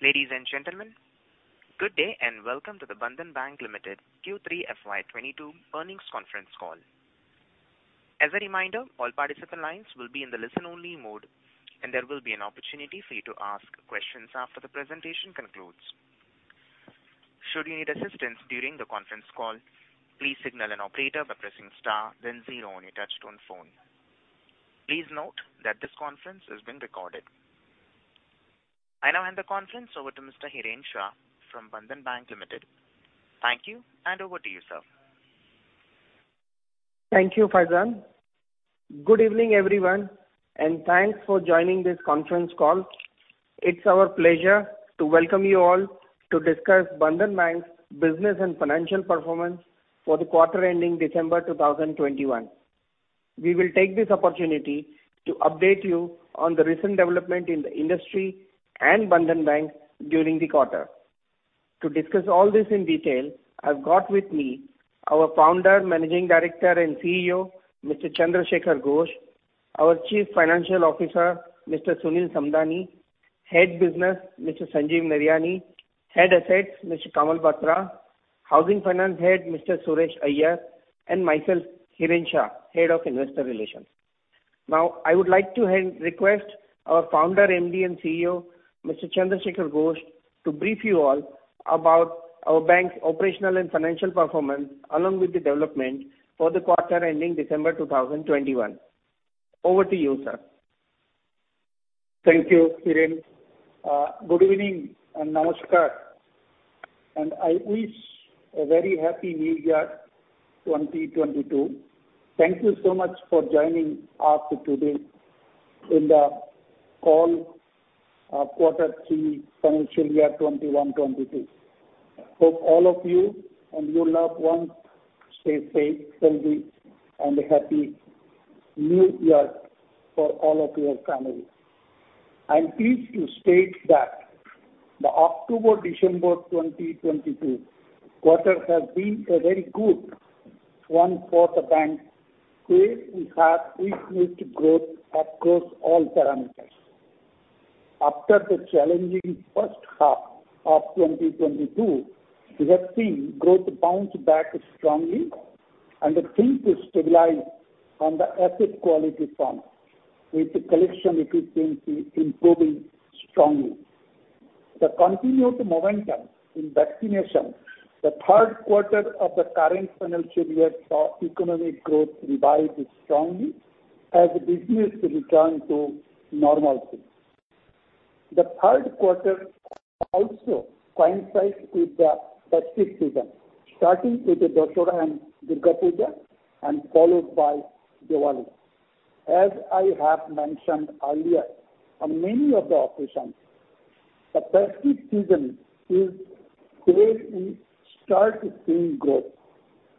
Ladies and gentlemen, good day and welcome to the Bandhan Bank Limited Q3 FY 2022 earnings conference call. As a reminder, all participant lines will be in the listen-only mode, and there will be an opportunity for you to ask questions after the presentation concludes. Should you need assistance during the conference call, please signal an operator by pressing star then zero on your touchtone phone. Please note that this conference is being recorded. I now hand the conference over to Mr. Hiren Shah from Bandhan Bank Limited. Thank you, and over to you, sir. Thank you, Faizan. Good evening, everyone, and thanks for joining this conference call. It's our pleasure to welcome you all to discuss Bandhan Bank's business and financial performance for the quarter ending December 2021. We will take this opportunity to update you on the recent development in the industry and Bandhan Bank during the quarter. To discuss all this in detail, I've got with me our Founder, Managing Director, and CEO, Mr. Chandra Shekhar Ghosh, our Chief Financial Officer, Mr. Sunil Samdani, Head Business, Mr. Sanjeev Naryani, Head Assets, Mr. Kamal Batra, Housing Finance Head, Mr. Suresh Iyer, and myself, Hiren Shah, Head of Investor Relations. Now, I would like to hand over to our Founder, MD, and CEO, Mr. Chandra Shekhar Ghosh, to brief you all about our bank's operational and financial performance, along with the development for the quarter ending December 2021. Over to you, sir. Thank you, Hiren. Good evening and namaskar, and I wish a very Happy New Year, 2022. Thank you so much for joining us today in the call of quarter three financial year 2021-22. Hope all of you and your loved ones stay safe, healthy and happy New Year for all of your family. I'm pleased to state that the October-December 2021 quarter has been a very good one for the bank where we have witnessed growth across all parameters. After the challenging first half of 2021, we have seen growth bounce back strongly and things stabilize on the asset quality front with collection efficiency improving strongly. The continued momentum in vaccination, the third quarter of the current financial year saw economic growth revive strongly as business returns to normalcy. The third quarter also coincides with the festive season, starting with the Dussehra and Durga Puja and followed by Diwali. As I have mentioned earlier on many of the occasions, the festive season is where we start seeing growth.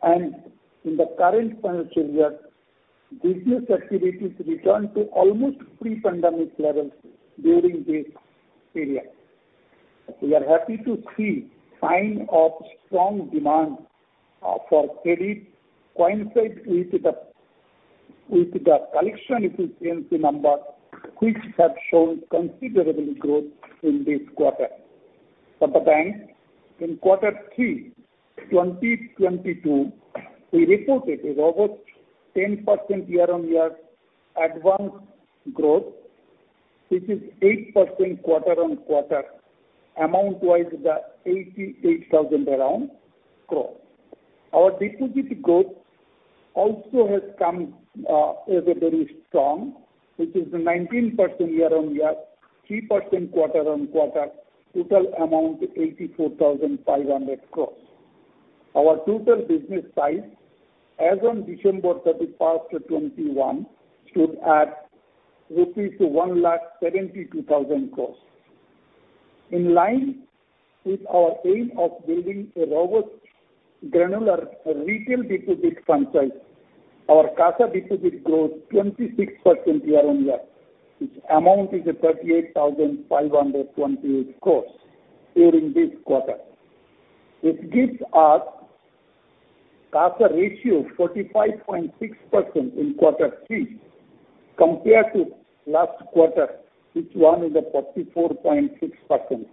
In the current financial year, business activities return to almost pre-pandemic levels during this period. We are happy to see sign of strong demand for credit coincide with the collection efficiency number which have shown considerable growth in this quarter. For the bank, in quarter three 2022, we reported a robust 10% year-on-year advance growth, which is 8% quarter-on-quarter, amount-wise around 88,000 crore. Our deposit growth also has come in very strong, which is 19% year-on-year, 3% quarter-on-quarter, total amount 84,500 crore. Our total business size as on December 31, 2021 stood at 1,72,000 crore rupees. In line with our aim of building a robust granular retail deposit franchise, our CASA deposits grew 26% year-on-year. Its amount is 38,528 crore during this quarter. It gives us CASA ratio 45.6% in quarter three compared to last quarter, which was 44.6%.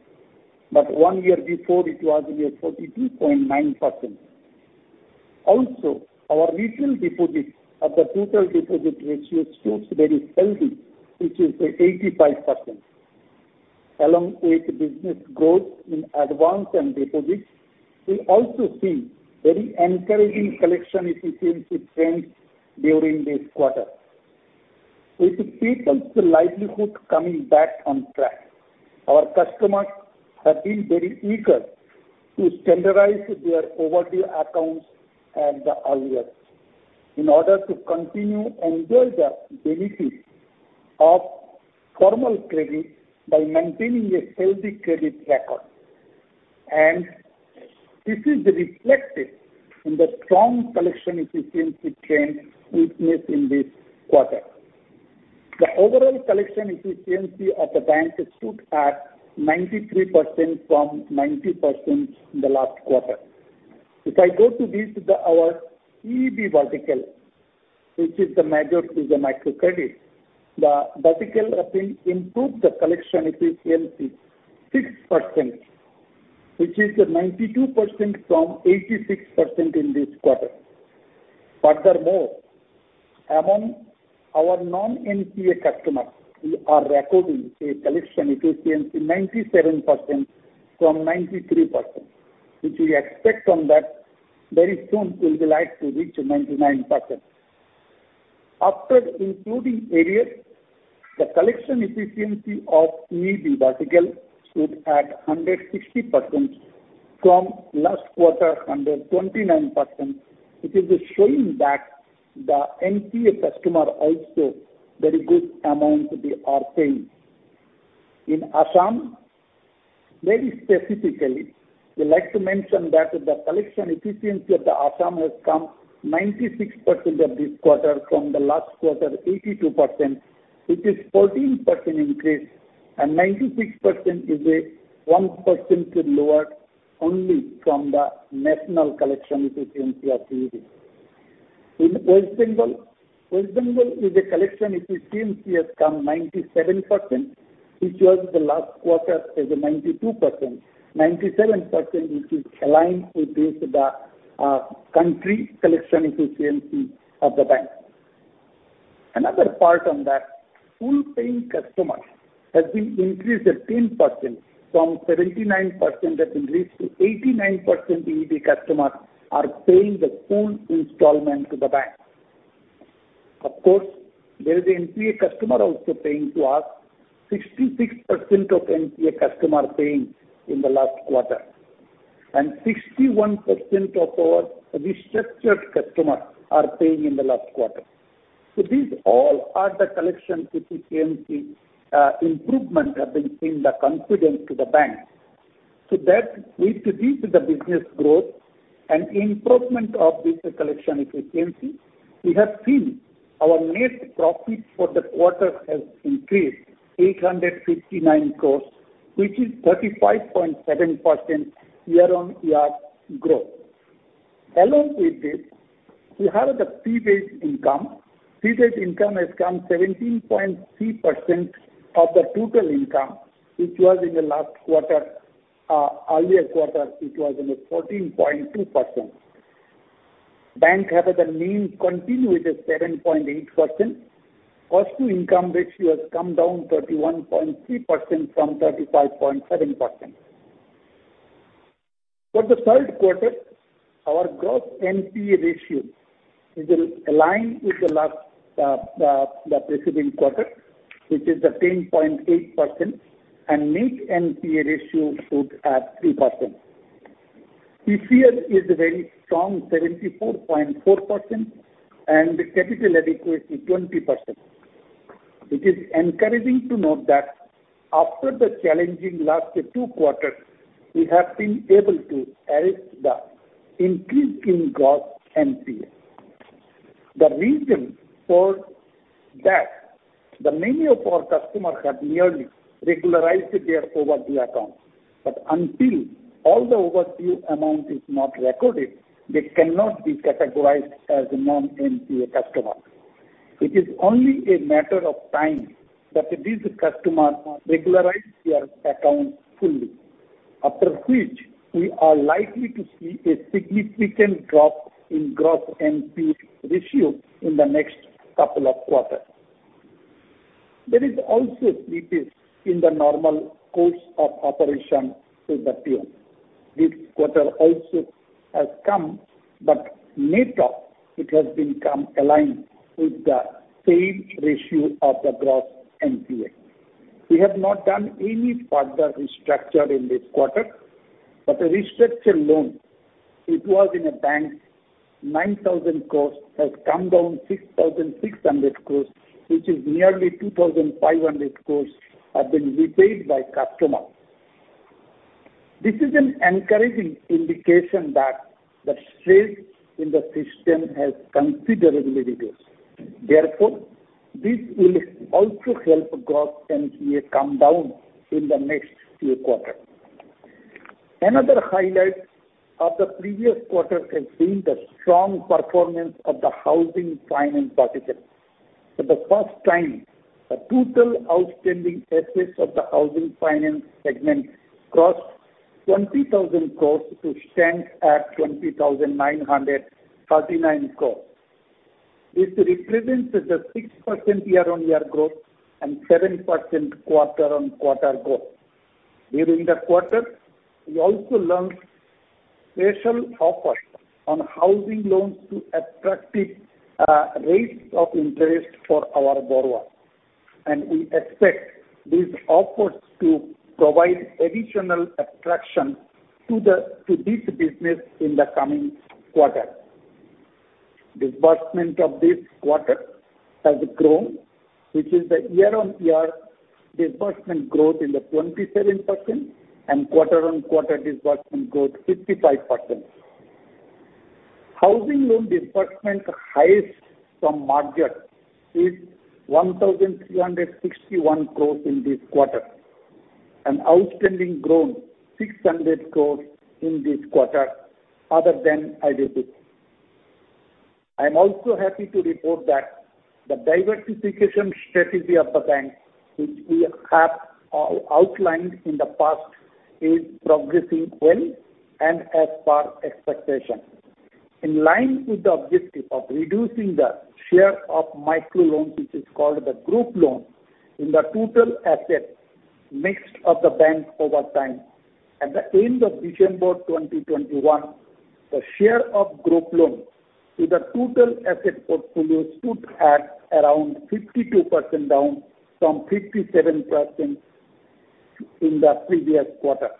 One year before it was 42.9%. Also, our retail deposits to total deposit ratio stood very healthy, which is 85%. Along with business growth in advances and deposits, we also see very encouraging collection efficiency trends during this quarter. With people's livelihood coming back on track, our customers have been very eager to standardize their overdue accounts at the earliest in order to continue enjoy the benefits of formal credit by maintaining a healthy credit record. This is reflected in the strong collection efficiency trend witnessed in this quarter. The overall collection efficiency of the bank stood at 93% from 90% in the last quarter. If I go to this, our EEB vertical, which is the major is the microcredit. The vertical has been improved the collection efficiency 6%, which is 92% from 86% in this quarter. Furthermore, among our non-NPA customers, we are recording a collection efficiency 97% from 93%, which we expect on that very soon will be like to reach 99%. After including areas, the collection efficiency of EEB vertical stood at 160% from last quarter 129%, which is showing that the NPA customer also very good amount they are paying. In Assam, very specifically, we like to mention that the collection efficiency of the Assam has come 96% of this quarter from the last quarter 82%. It is 14% increase and 96% is a 1% lower only from the national collection efficiency of EEB. In West Bengal, West Bengal is a collection efficiency has come 97%, which was the last quarter is 92%. 97%, which is aligned with this, the country collection efficiency of the bank. Another part on that, full paying customers has been increased at 10% from 79% has increased to 89% EEB customers are paying the full installment to the bank. Of course, there is NPA customer also paying to us. 66% of NPA customer paying in the last quarter, and 61% of our restructured customers are paying in the last quarter. These all are the collection efficiency improvement have been giving the confidence to the bank. That with this, the business growth and improvement of this collection efficiency, we have seen our net profit for the quarter has increased 859 crore, which is 35.7% year-on-year growth. Along with this, we have the fee-based income. Fee-based income has come 17.3% of the total income, which was in the last quarter, earlier quarter it was in a 14.2%. Bank have the NIM continue with a 7.8%. Cost to income ratio has come down 31.3% from 35.7%. For the third quarter, our gross NPA ratio is aligned with the last, the preceding quarter, which is the 10.8%, and net NPA ratio stood at 3%. PCR is very strong, 74.4%, and the capital adequacy, 20%. It is encouraging to note that after the challenging last two quarters, we have been able to arrest the increasing gross NPA. The reason for that many of our customers have merely regularized their overdue accounts. But until all the overdue amount is not recorded, they cannot be categorized as a non-NPA customer. It is only a matter of time that these customers regularize their account fully, after which we are likely to see a significant drop in gross NPA ratio in the next couple of quarters. There is also slippage in the normal course of operation with the PM. This quarter also has come, but net of it has been in line with the same ratio of the gross NPA. We have not done any further restructuring in this quarter, but the restructured loan book, it was in the bank, 9,000 crore has come down 6,600 crore, which is nearly 2,500 crore have been repaid by customers. This is an encouraging indication that the stress in the system has considerably reduced. Therefore, this will also help gross NPA come down in the next few quarters. Another highlight of the previous quarter has been the strong performance of the housing finance vertical. For the first time, the total outstanding assets of the housing finance segment crossed 20,000 crore to stand at 20,939 crore. This represents 6% year-on-year growth and 7% quarter-on-quarter growth. During the quarter, we also launched special offers on housing loans to attractive rates of interest for our borrowers, and we expect these offers to provide additional attraction to this business in the coming quarter. Disbursement of this quarter has grown, which is the year-on-year disbursement growth in the 27% and quarter-on-quarter disbursement growth 55%. Housing loan disbursement highest from margin is 1,361 crore in this quarter. Outstanding grown 600 crore in this quarter other than I did it. I am also happy to report that the diversification strategy of the bank, which we have outlined in the past, is progressing well and as per expectation. In line with the objective of reducing the share of micro loans, which is called the group loan, in the total asset mix of the bank over time. At the end of December 2021, the share of group loans to the total asset portfolio stood at around 52%, down from 57% in the previous quarter.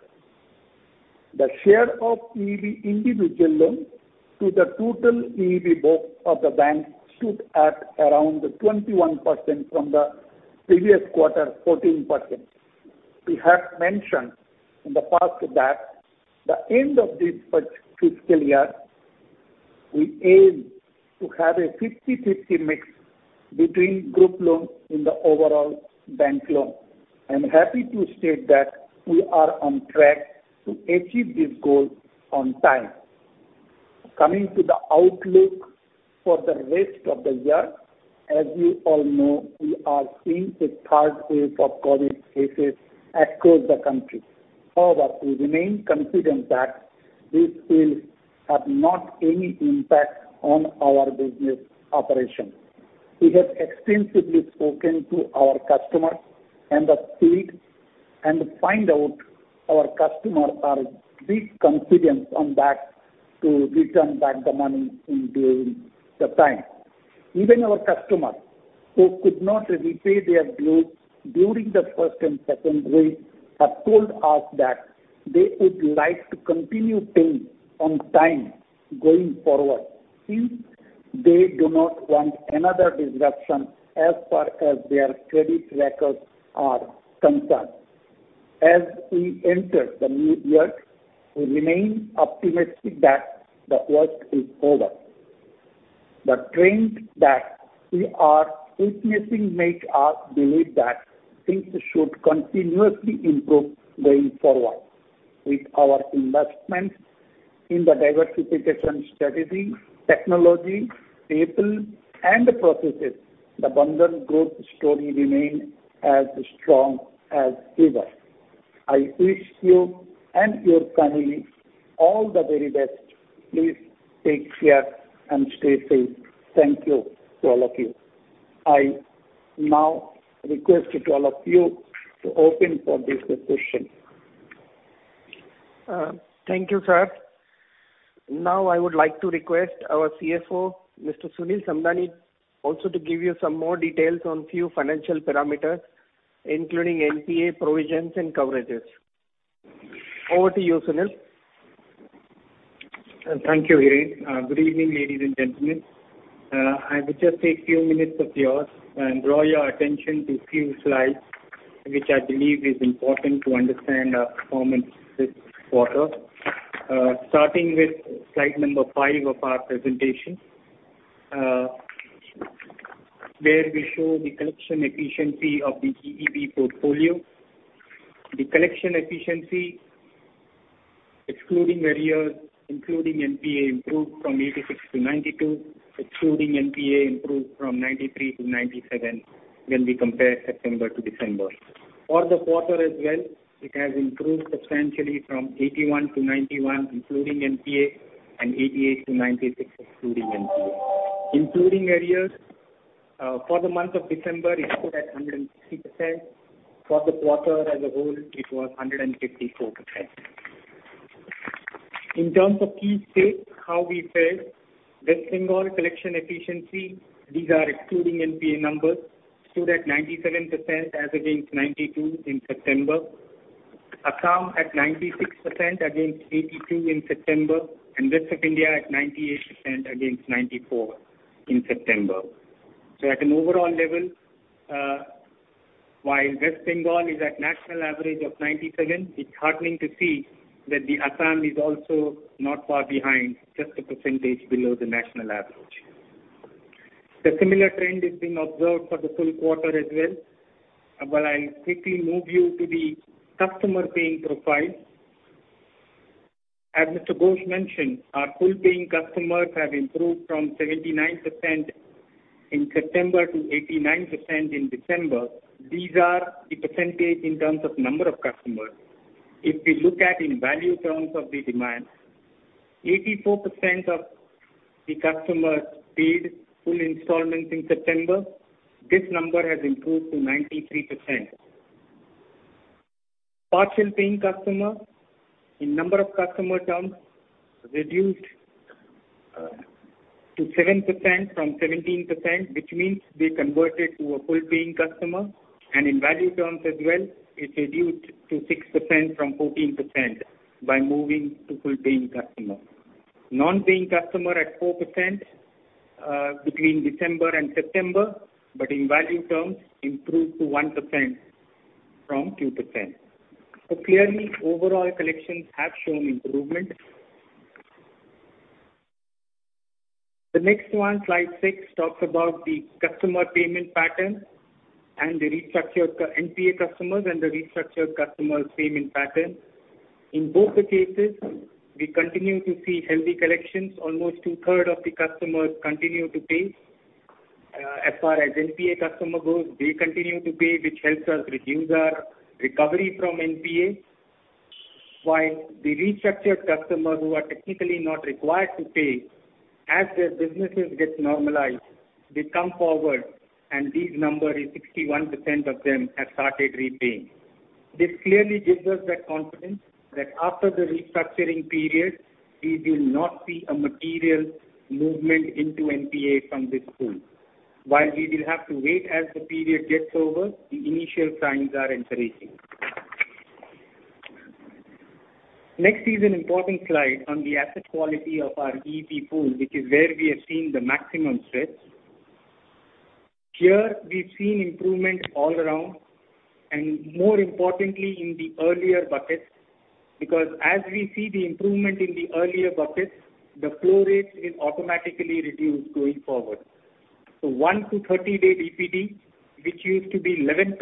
The share of EEB individual loans to the total EEB book of the bank stood at around 21% from the previous quarter, 14%. We have mentioned in the past that the end of this fiscal year, we aim to have a 50/50 mix between group loans in the overall bank loan. I am happy to state that we are on track to achieve this goal on time. Coming to the outlook for the rest of the year. As you all know, we are seeing a third wave of COVID cases across the country. However, we remain confident that this will not have any impact on our business operations. We have extensively spoken to our customers and the Street and found out our customers are pretty confident about returning the money in due time. Even our customers who could not repay their loans during the first and second wave have told us that they would like to continue paying on time going forward since they do not want another disruption as far as their credit records are concerned. As we enter the new year, we remain optimistic that the worst is over. The trends that we are witnessing make us believe that things should continuously improve going forward. With our investments in the diversification strategy, technology, people and processes, the Bandhan Group story remains as strong as ever. I wish you and your family all the very best. Please take care and stay safe. Thank you to all of you. I now request all of you to open for the discussion. Thank you, sir. Now, I would like to request our CFO, Mr. Sunil Samdani, also to give you some more details on few financial parameters, including NPA provisions and coverages. Over to you, Sunil. Thank you, Hiren. Good evening, ladies and gentlemen. I will just take few minutes of yours and draw your attention to few slides, which I believe is important to understand our performance this quarter. Starting with slide number five of our presentation, where we show the collection efficiency of the EEB portfolio. The collection efficiency, excluding arrears, including NPA, improved from 86 to 92, excluding NPA, improved from 93 to 97 when we compare September to December. For the quarter as well, it has improved substantially from 81 to 91, including NPA and 88 to 96, excluding NPA. Including arrears, for the month of December, it stood at 160%. For the quarter as a whole, it was 154%. In terms of key states, how we fared. West Bengal collection efficiency, these are excluding NPA numbers, stood at 97% as against 92% in September. Assam at 96% against 82% in September, and Rest of India at 98% against 94% in September. At an overall level, while West Bengal is at national average of 97%, it's heartening to see that the Assam is also not far behind, just a percentage below the national average. The similar trend is being observed for the full quarter as well. I'll quickly move you to the customer paying profile. As Mr. Ghosh mentioned, our full paying customers have improved from 79% in September to 89% in December. These are the percentage in terms of number of customers. If we look at in value terms of the demand, 84% of the customers paid full installments in September. This number has improved to 93%. Partial paying customer, in number of customer terms, reduced to 7% from 17%, which means they converted to a full paying customer, and in value terms as well, it reduced to 6% from 14% by moving to full paying customer. Non-paying customer at 4% between December and September, but in value terms improved to 1% from 2%. Clearly, overall collections have shown improvement. The next one, slide six, talks about the customer payment pattern and the restructured NPA customers and the restructured customers' payment pattern. In both the cases, we continue to see healthy collections. Almost two-thirds of the customers continue to pay. As far as NPA customer goes, they continue to pay, which helps us reduce our recovery from NPA. While the restructured customers who are technically not required to pay, as their businesses get normalized, they come forward, and this number is 61% of them have started repaying. This clearly gives us the confidence that after the restructuring period, we will not see a material movement into NPA from this pool. While we will have to wait as the period gets over, the initial signs are encouraging. Next is an important slide on the asset quality of our EEB pool, which is where we are seeing the maximum stress. Here we've seen improvement all around, and more importantly in the earlier buckets because as we see the improvement in the earlier buckets, the flow rate is automatically reduced going forward. So one to 30-day DPD, which used to be 11%,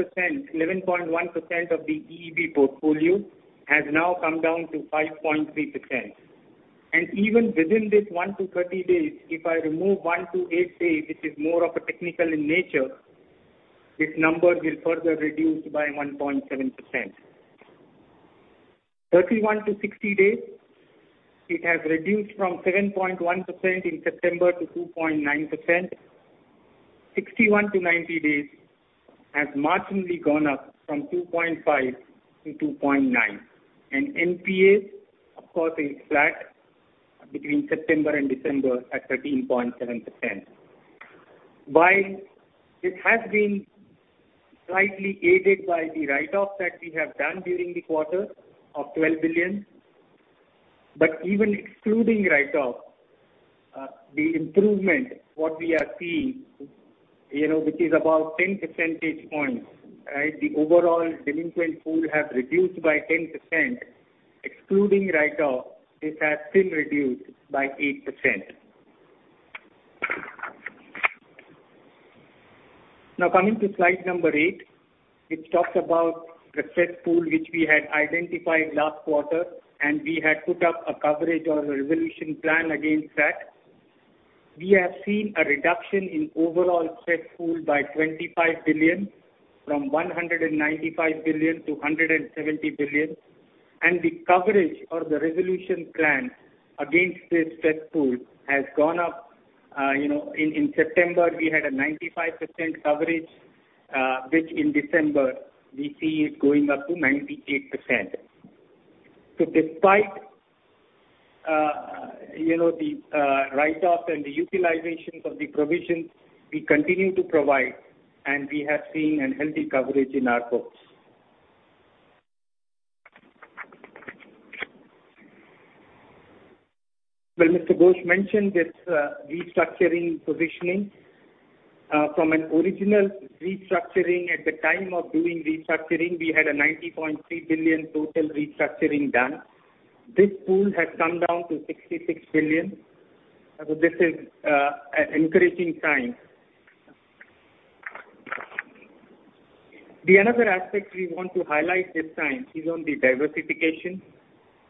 11.1% of the EEB portfolio, has now come down to 5.3%. Even within this one to 30 days, if I remove one to eight days, which is more of a technical in nature, this number will further reduce by 1.7%. 31-60 days, it has reduced from 7.1% in September to 2.9%. 61-90 days has marginally gone up from 2.5 to 2.9. NPAs, of course, is flat between September and December at 13.7%. While it has been slightly aided by the write-off that we have done during the quarter of 12 billion, but even excluding write-off, the improvement what we are seeing, which is about 10 percentage points, right? The overall delinquent pool have reduced by 10%. Excluding write-off, it has still reduced by 8%. Now coming to slide number eight, which talks about the stress pool which we had identified last quarter, and we had put up a coverage or a resolution plan against that. We have seen a reduction in overall stress pool by 25 billion, from 195 billion-170 billion, and the coverage or the resolution plan against this stress pool has gone up. You know, in September we had a 95% coverage, which in December we see it going up to 98%. Despite, you know, the write-off and the utilizations of the provisions, we continue to provide, and we have seen a healthy coverage in our books. Well, Mr. Ghosh mentioned this restructuring positioning. From an original restructuring at the time of doing restructuring, we had a 90.3 billion total restructuring done. This pool has come down to 66 billion. This is an encouraging sign. The other aspect we want to highlight this time is on the diversification,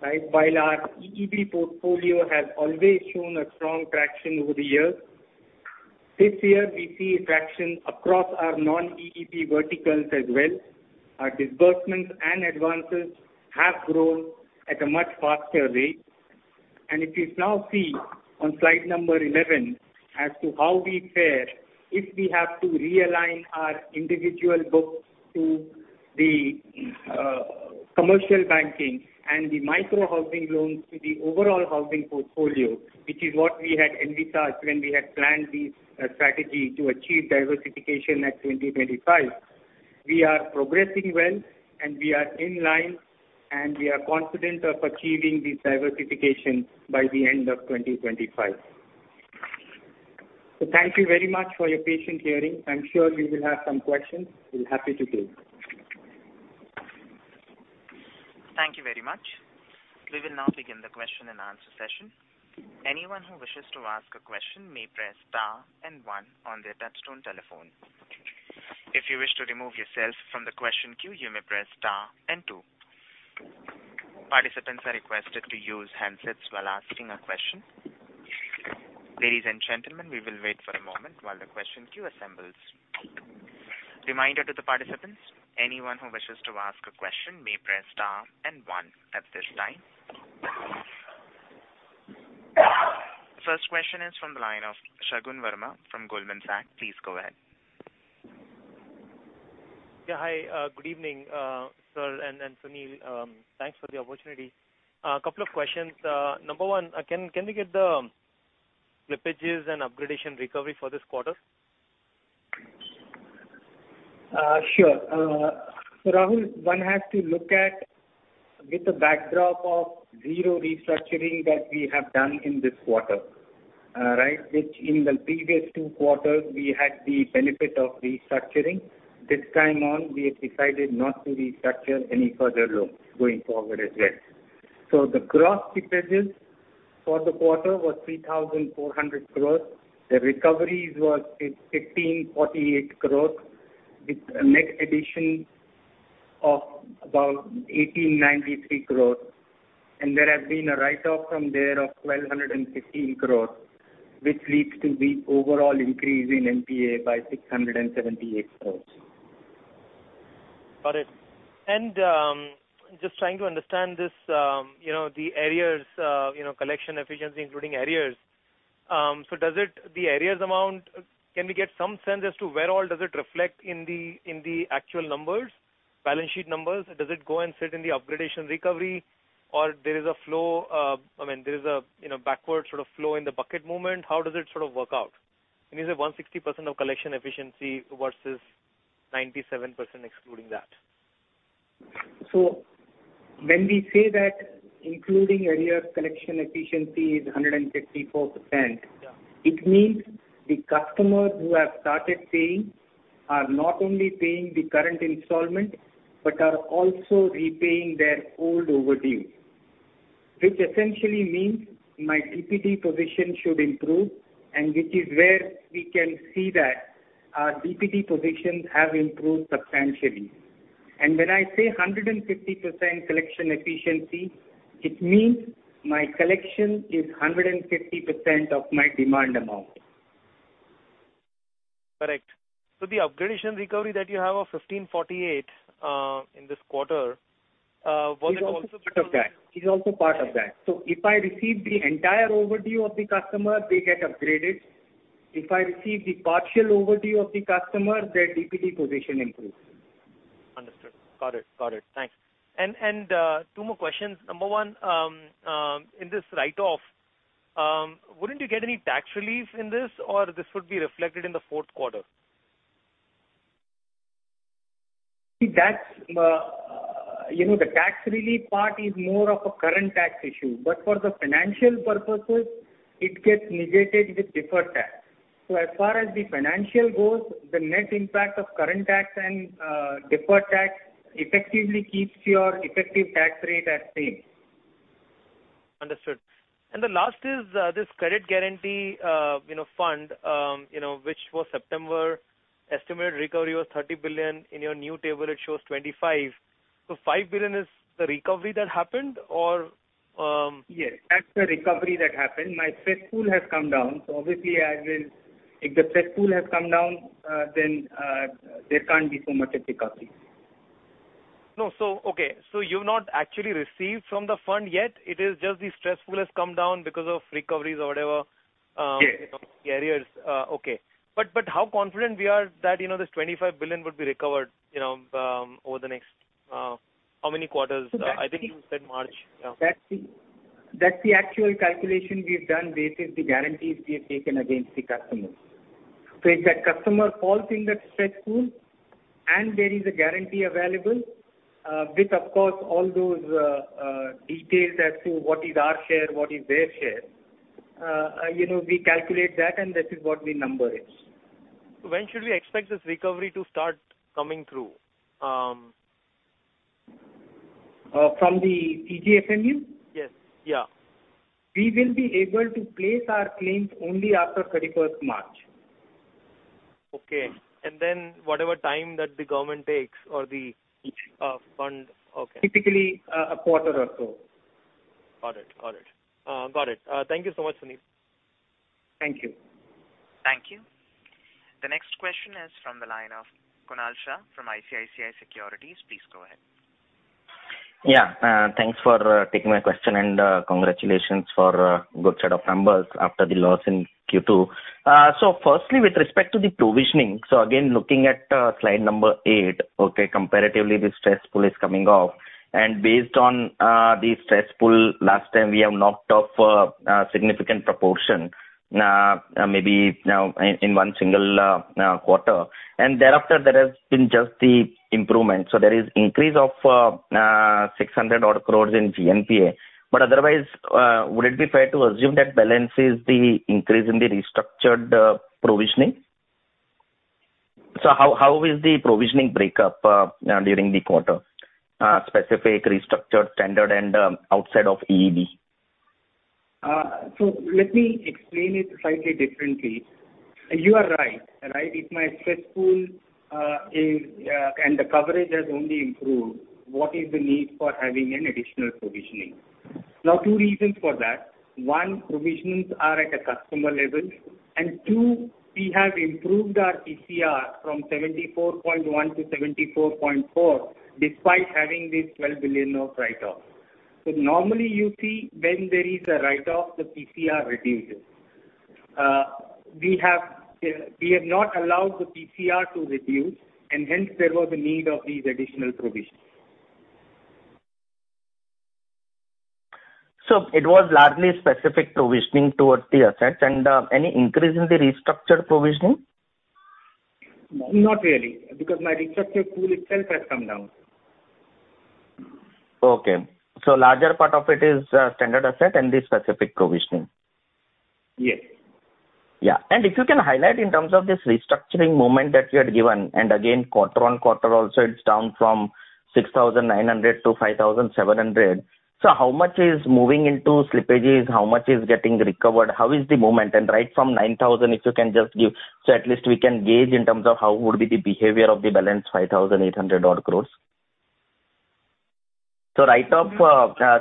right? While our EEB portfolio has always shown a strong traction over the years, this year we see a traction across our non-EEB verticals as well. Our disbursements and advances have grown at a much faster rate. If you now see on slide number 11 as to how we fare if we have to realign our individual books to the commercial banking and the micro-housing loans to the overall housing portfolio, which is what we had envisaged when we had planned the strategy to achieve diversification at 2025. We are progressing well, and we are in line, and we are confident of achieving this diversification by the end of 2025. Thank you very much for your patient hearing. I'm sure you will have some questions. We're happy to take. Thank you very much. We will now begin the question-and-answer session. Anyone who wishes to ask a question may press star and one on their touchtone telephone. If you wish to remove yourself from the question queue, you may press star and two. Participants are requested to use handsets while asking a question. Ladies and gentlemen, we will wait for a moment while the question queue assembles. Reminder to the participants, anyone who wishes to ask a question may press star and one at this time. First question is from the line of Shagun Verma from Goldman Sachs. Please go ahead. Yeah. Hi. Good evening, sir and Sunil. Thanks for the opportunity. A couple of questions. Number one, can we get the slippages and upgradation recovery for this quarter? Sure. Rahul, one has to look at with the backdrop of zero restructuring that we have done in this quarter, right? Which in the previous two quarters we had the benefit of restructuring. This time on, we have decided not to restructure any further loans going forward as yet. The gross slippages for the quarter was 3,400 crore. The recoveries was 1,548 crore with a net addition of about 1,893 crore. There has been a write-off from there of 1,215 crore, which leads to the overall increase in NPA by 678 crore. Got it. Just trying to understand this, you know, the arrears, you know, collection efficiency including arrears. The arrears amount, can we get some sense as to where all does it reflect in the actual numbers, balance sheet numbers? Does it go and sit in the upgradation recovery or there is a flow, I mean, there is a, you know, backward sort of flow in the bucket movement. How does it sort of work out? Is it 160% of collection efficiency versus 97% excluding that? When we say that including arrears collection efficiency is 154%. Yeah. It means the customers who have started paying are not only paying the current installment but are also repaying their old overdue, which essentially means my DPD position should improve and which is where we can see that our DPD positions have improved substantially. When I say 150% collection efficiency, it means my collection is 150% of my demand amount. Correct. The upgradation recovery that you have of 1,548 in this quarter, was it also part of that? Is also part of that. If I receive the entire overdue of the customer, they get upgraded. If I receive the partial overdue of the customer, their DPD position improves. Understood. Got it. Thanks. Two more questions. Number one, in this write-off, wouldn't you get any tax relief in this, or this would be reflected in the fourth quarter? See, that's, you know, the tax relief part is more of a current tax issue, but for the financial purposes it gets negated with deferred tax. As far as the financial goes, the net impact of current tax and deferred tax effectively keeps your effective tax rate the same. Understood. The last is this credit guarantee, you know, fund, which for September estimated recovery was 30 billion. In your new table it shows 25. So 5 billion is the recovery that happened or Yes, that's the recovery that happened. My stress pool has come down. If the stress pool has come down, then there can't be so much of recovery. No. Okay. You've not actually received from the fund yet. It is just the stress pool has come down because of recoveries or whatever. Yes. the areas. How confident we are that, you know, this 25 billion would be recovered, you know, over the next, how many quarters? I think you said March. Yeah. That's the actual calculation we've done based on the guarantees we have taken against the customers. If that customer falls in that stress pool and there is a guarantee available, with of course all those details as to what is our share, what is their share, you know, we calculate that and that is what the number is. When should we expect this recovery to start coming through? From the CGTMSE? Yes. Yeah. We will be able to place our claims only after thirty-first March. Okay. Whatever time that the government takes. Okay. Typically, a quarter or so. Got it. Thank you so much, Sunil. Thank you. Thank you. The next question is from the line of Kunal Shah from ICICI Securities. Please go ahead. Thanks for taking my question and congratulations for good set of numbers after the loss in Q2. Firstly, with respect to the provisioning, again looking at slide number 8, okay, comparatively the stress pool is coming off and based on the stress pool last time we have knocked off a significant proportion, maybe now in one single quarter. Thereafter there has been just the improvement. There is increase of 600-odd crore in GNPA. Otherwise, would it be fair to assume that balance is the increase in the restructured provisioning? How is the provisioning breakup during the quarter? Specific, restructured, standard and outside of EEB. Let me explain it slightly differently. You are right. Right? If my stress pool is and the coverage has only improved, what is the need for having an additional provisioning? Now, two reasons for that. One, provisions are at a customer level. Two, we have improved our PCR from 74.1 to 74.4 despite having this 12 billion write-off. Normally you see when there is a write-off, the PCR reduces. We have not allowed the PCR to reduce and hence there was a need of these additional provisions. It was largely specific provisioning towards the assets. Any increase in the restructured provisioning? Not really, because my restructure pool itself has come down. Okay. Larger part of it is standard asset and the specific provisioning. Yes. Yeah. If you can highlight in terms of this restructuring amount that you had given, and again, quarter-on-quarter also it's down from 6,900 crores to 5,700 crores. How much is moving into slippages? How much is getting recovered? How is the movement and write-off from 9,000 crores, if you can just give, at least we can gauge in terms of how would be the behavior of the balance 5,800 odd crores. Write-off,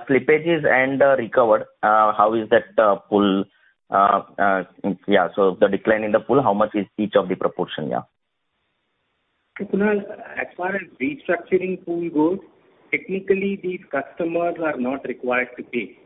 slippages and recovered, how is that pool? Yeah. The decline in the pool, how much is each of the proportion, yeah? Kunal, as far as restructuring pool goes, technically these customers are not required to pay,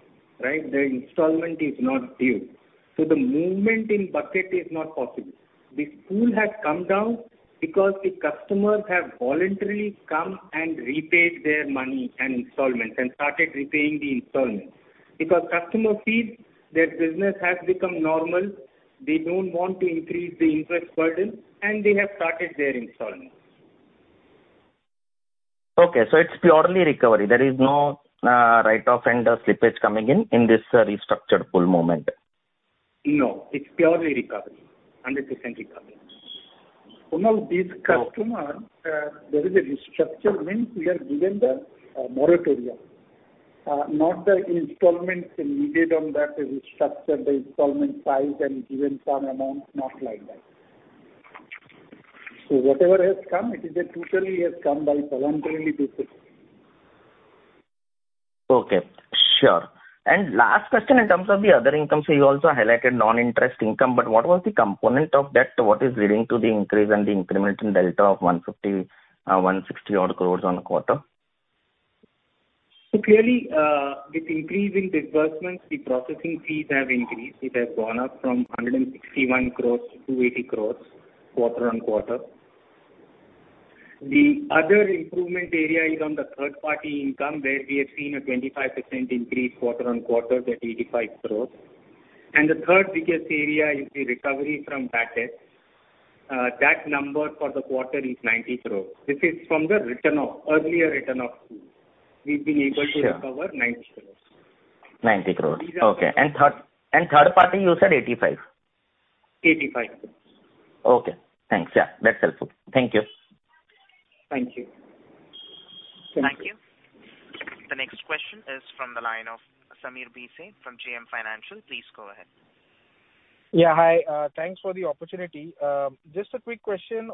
right? Their installment is not due. The movement in bucket is not possible. This pool has come down because the customers have voluntarily come and repaid their money and installments and started repaying the installments. Because customer feels their business has become normal, they don't want to increase the interest burden, and they have started their installments. It's purely recovery. There is no write-off and slippage coming in this restructured pool movement. No, it's purely recovery. 100% recovery. Kunal, this customer, there is a restructure means we have given the moratorium. Not the installments needed on that restructure the installment size and given some amount, not like that. Whatever has come, it is totally has come by voluntary basis. Okay. Sure. Last question in terms of the other income, so you also highlighted non-interest income, but what was the component of that? What is leading to the increase and the incremental delta of 150-160 odd crore on a quarter? Clearly, with increase in disbursements, the processing fees have increased. It has gone up from 161 crores to 280 crores, quarter-on-quarter. The other improvement area is on the third-party income, where we have seen a 25% increase quarter-on-quarter to 85 crores. The third biggest area is the recovery from that debt. That number for the quarter is 90 crores. This is from the written-off, earlier written-off pools. Sure. We've been able to recover 90 crore. 90 crore. These are- Okay. Third party, you said 85? 85, yes. Okay, thanks. Yeah, that's helpful. Thank you. Thank you. Thank you. Thank you. The next question is from the line of Sameer Bhise from JM Financial. Please go ahead. Yeah, hi. Thanks for the opportunity. Just a quick question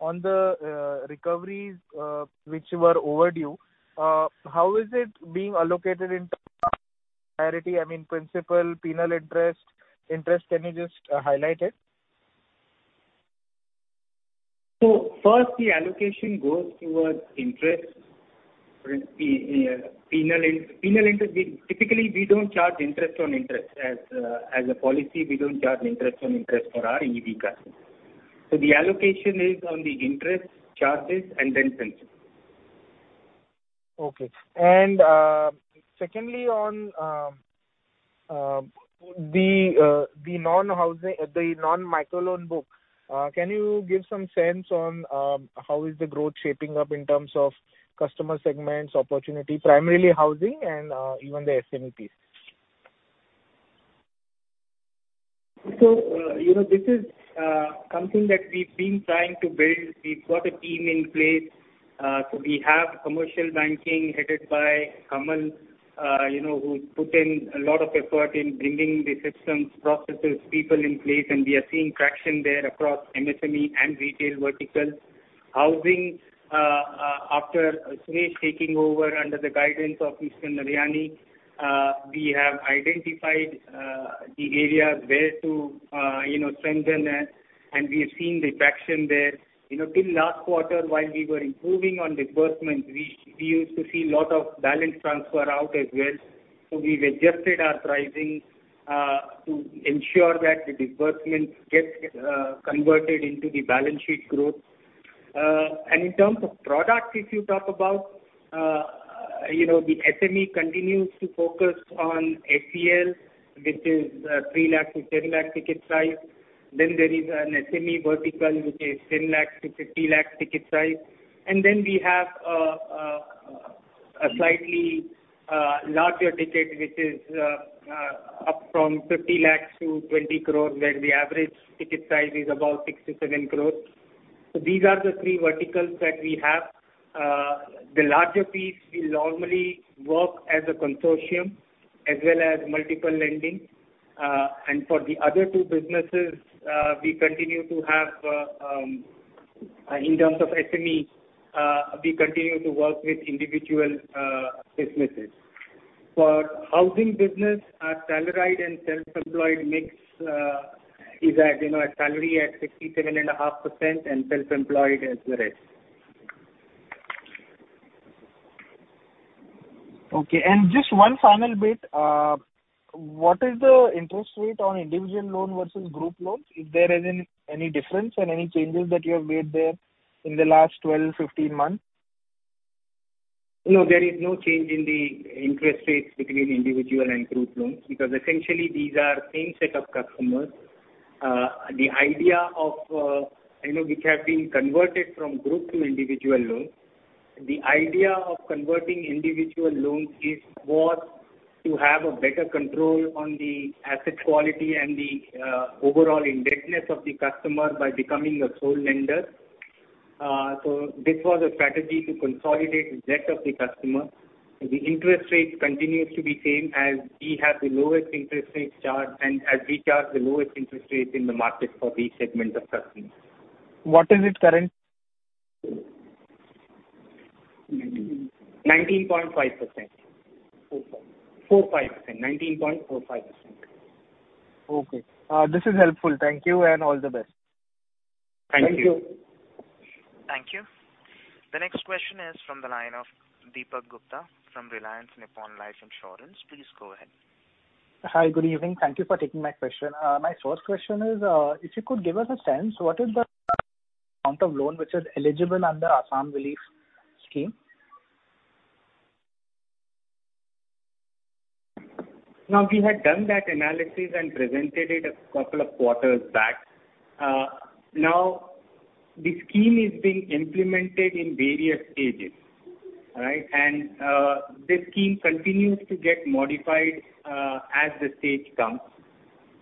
on the recoveries, which were overdue. How is it being allocated in terms of priority, I mean, principal, penal interest? Can you just highlight it? First the allocation goes towards interest. Penal interest, we typically don't charge interest on interest. As a policy, we don't charge interest on interest for our EEB customers. The allocation is on the interest charges and then principal. Okay. Secondly on the non-housing, the non-micro loan book, can you give some sense on how the growth is shaping up in terms of customer segments, opportunity, primarily housing and even the SMEs? You know, this is something that we've been trying to build. We've got a team in place. We have commercial banking headed by Kamal, you know, who's put in a lot of effort in bringing the systems, processes, people in place, and we are seeing traction there across MSME and retail verticals. Housing, after Suresh taking over under the guidance of Mr. Narayani, we have identified the areas where to you know, strengthen and we are seeing the traction there. You know, till last quarter, while we were improving on disbursement, we used to see lot of balance transfer out as well. We've adjusted our pricing to ensure that the disbursements get converted into the balance sheet growth. In terms of products, if you talk about, you know, the SME continues to focus on ACL, which is 3 lakh-10 lakh ticket size. There is an SME vertical, which is 10 lakh-50 lakh ticket size. We have a slightly larger ticket, which is up from 50 lakhs to 20 crores, where the average ticket size is about six to seven scores. These are the three verticals that we have. The larger piece will normally work as a consortium as well as multiple lending. For the other two businesses, we continue to have, in terms of SME, we continue to work with individual businesses. For housing business, our salaried and self-employed mix, you know, is salaried at 67.5% and self-employed as the rest. Okay. Just one final bit. What is the interest rate on individual loan versus group loans? If there is any difference and any changes that you have made there in the last 12, 15 months? No, there is no change in the interest rates between individual and group loans because essentially these are same set of customers. The idea of converting individual loans was to have a better control on the asset quality and the overall indebtedness of the customer by becoming a sole lender. This was a strategy to consolidate debt of the customer. The interest rate continues to be same as we have the lowest interest rates charged and as we charge the lowest interest rates in the market for this segment of customers. What is it currently? Nineteen point five percent. Four five. Four five percent. Nineteen point four five percent. Okay. This is helpful. Thank you and all the best. Thank you. Thank you. Thank you. The next question is from the line of Deepak Gupta from Reliance Nippon Life Insurance. Please go ahead. Hi. Good evening. Thank you for taking my question. My first question is, if you could give us a sense, what is the amount of loan which is eligible under Assam Relief Scheme? Now, we had done that analysis and presented it a couple of quarters back. Now the scheme is being implemented in various stages, right? The scheme continues to get modified as the stage comes,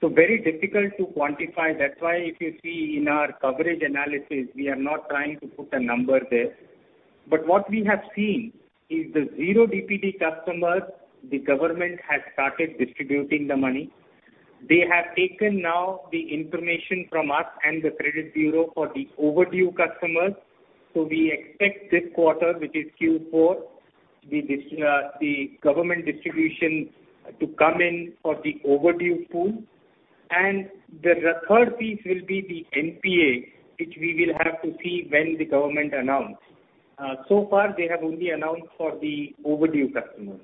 so very difficult to quantify. That's why if you see in our coverage analysis, we are not trying to put a number there. But what we have seen is the zero DPD customers, the government has started distributing the money. They have taken now the information from us and the credit bureau for the overdue customers. We expect this quarter, which is Q4, the government distribution to come in for the overdue pool. The third piece will be the NPA, which we will have to see when the government announce. So far they have only announced for the overdue customers.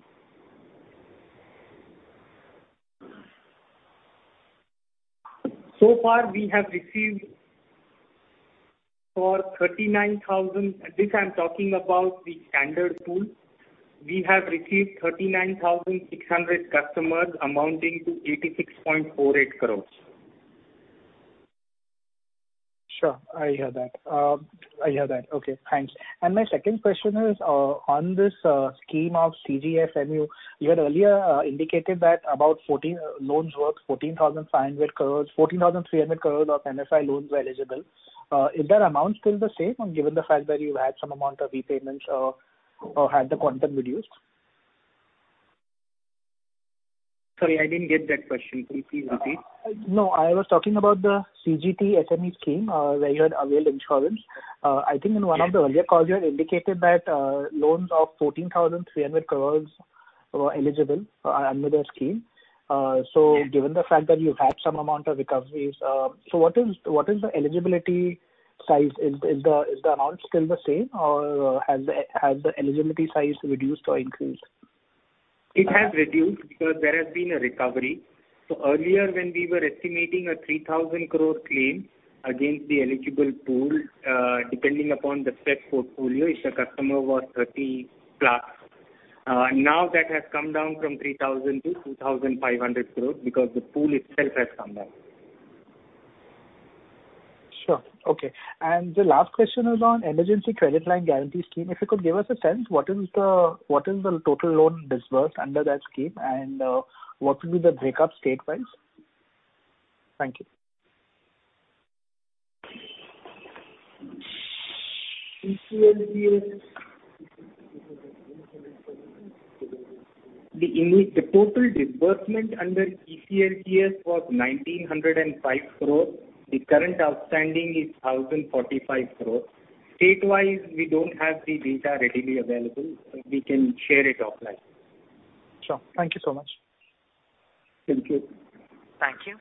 So far we have received for 39,000. This, I'm talking about the standard pool. We have received 39,600 customers amounting to INR 86.48 crore. Sure. I hear that. Okay, thanks. My second question is on this scheme of CGTMSE. You had earlier indicated that about loans worth 14,500 crores, 14,300 crores of MFI loans were eligible. Is that amount still the same or given the fact that you've had some amount of repayments or had the quantum reduced? Sorry, I didn't get that question. Please repeat. No, I was talking about the CGTMSE scheme, where you had availed insurance. I think in one of the earlier calls you had indicated that loans of 14,300 crore were eligible under the scheme. Given the fact that you've had some amount of recoveries, what is the eligibility size? Is the amount still the same or has the eligibility size reduced or increased? It has reduced because there has been a recovery. Earlier when we were estimating a 3,000 crore claim against the eligible pool, depending upon the SME portfolio if the customer was 30+, now that has come down from 3,000 crore to 2,500 crore because the pool itself has come down. Sure. Okay. The last question is on Emergency Credit Line Guarantee Scheme. If you could give us a sense, what is the total loan disbursed under that scheme and what will be the breakups state-wise? Thank you. ECLGS. The total disbursement under ECLGS was 1,905 crores. The current outstanding is 1,045 crores. State-wise, we don't have the data readily available. We can share it offline. Sure. Thank you so much. Thank you. Thank you.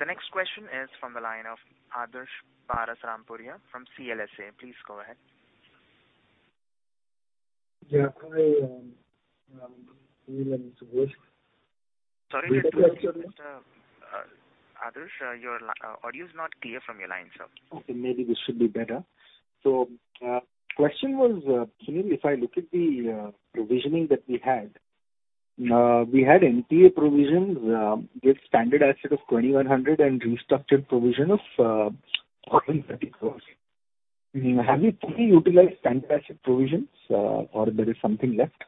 The next question is from the line of Adarsh Parasrampuria from CLSA. Please go ahead. Yeah. Hi, Sunil and Suresh. Sorry to interrupt, sir. Adarsh, your audio is not clear from your line, sir. Okay, maybe this should be better. Question was, Sunil, if I look at the provisioning that we had, we had NPA provisions with standard asset of 2,100 crores and restructured provision of 1,430 crores. Have you fully utilized standard asset provisions, or there is something left?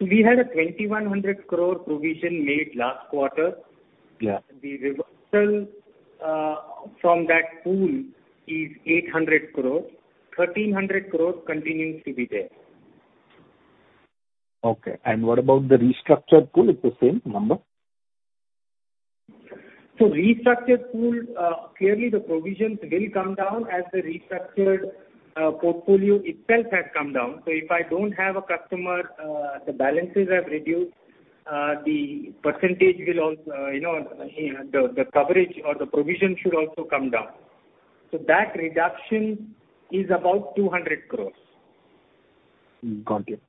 We had a 2,100 crore provision made last quarter. Yeah. The reversal from that pool is 800 crore. 1,300 crore continues to be there. Okay. What about the restructured pool? It's the same number? Restructured pool, clearly the provisions will come down as the restructured portfolio itself has come down. If I don't have a customer, the balances have reduced, the percentage will also come down. You know, the coverage or the provision should also come down. That reduction is about 200 crore. Got it.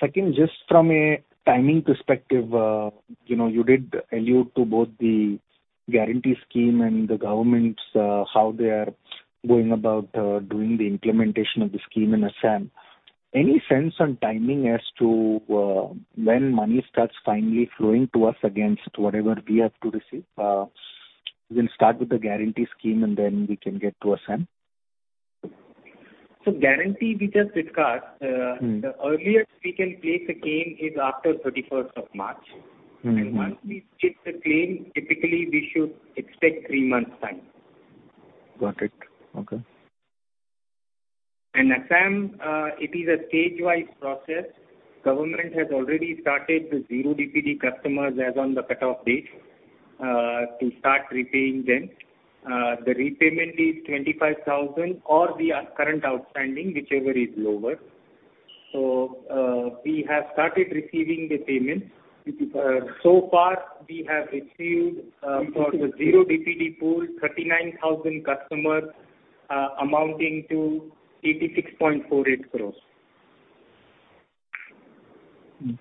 Second, just from a timing perspective, you did allude to both the guarantee scheme and the government's how they are going about doing the implementation of the scheme in Assam. Any sense on timing as to when money starts finally flowing to us against whatever we have to receive? We'll start with the guarantee scheme and then we can get to Assam. Guarantee we just discussed. Mm-hmm. The earliest we can place a claim is after thirty-first of March. Mm-hmm. Once we shift the claim, typically we should expect three months time. Got it. Okay. Assam, it is a stage-wise process. Government has already started the zero DPD customers as on the cutoff date to start repaying them. The repayment is 25,000 or the outstanding, whichever is lower. We have started receiving the payments. So far we have received, for the zero DPD pool, 39,000 customers, amounting to 86.48 crores.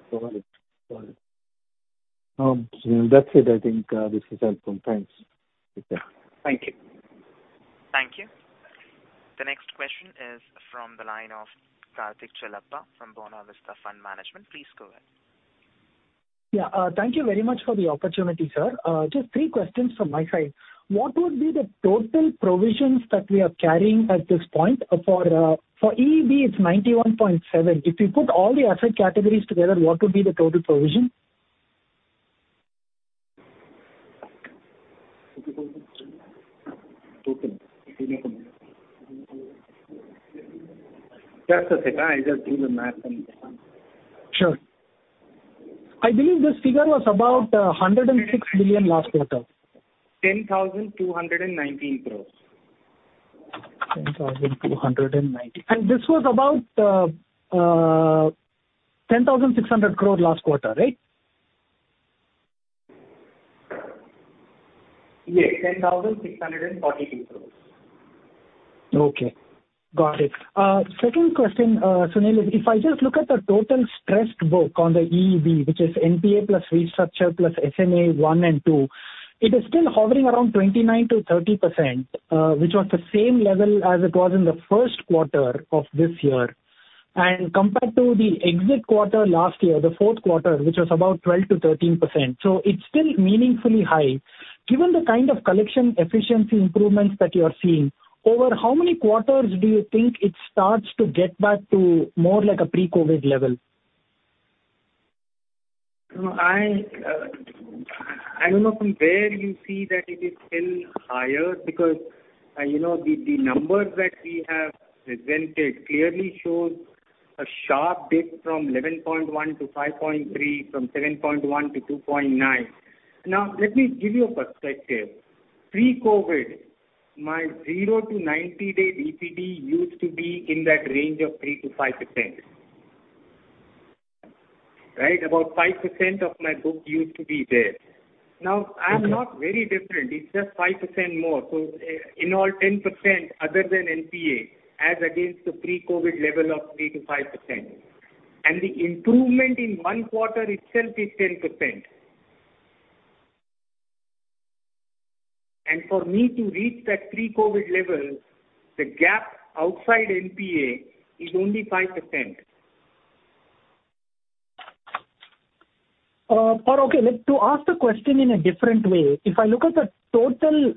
Got it. That's it, I think. This is helpful. Thanks. Thank you. Thank you. The next question is from the line of Karthik Chellappa from Buena Vista Fund Management. Please go ahead. Yeah. Thank you very much for the opportunity, sir. Just three questions from my side. What would be the total provisions that we are carrying at this point? For EEB it's 91.7. If you put all the asset categories together, what would be the total provision? Just a second. I just do the math. Sure. I believe this figure was about 106 billion last quarter. Ten thousand two hundred and nineteen crores. INR 10,219. This was about 10,600 crore last quarter, right? Yes. 10,642 crores. Okay. Got it. Second question, Sunil, if I just look at the total stressed book on the EEB, which is NPA plus restructure plus SMA 1 and 2, it is still hovering around 29%-30%, which was the same level as it was in the first quarter of this year. Compared to the exit quarter last year, the fourth quarter, which was about 12%-13%. It's still meaningfully high. Given the kind of collection efficiency improvements that you are seeing, over how many quarters do you think it starts to get back to more like a pre-COVID level? You know, I don't know from where you see that it is still higher because, you know, the numbers that we have presented clearly shows a sharp dip from 11.1 to 5.3, from 7.1 to 2.9. Now, let me give you a perspective. Pre-COVID, my 0-90-day DPD used to be in that range of 3%-5%. Right? About 5% of my book used to be there. Now, I'm not very different. It's just 5% more. So, in all, 10% other than NPA as against the pre-COVID level of 3%-5%. The improvement in one quarter itself is 10%. For me to reach that pre-COVID level, the gap outside NPA is only 5%. To ask the question in a different way, if I look at the total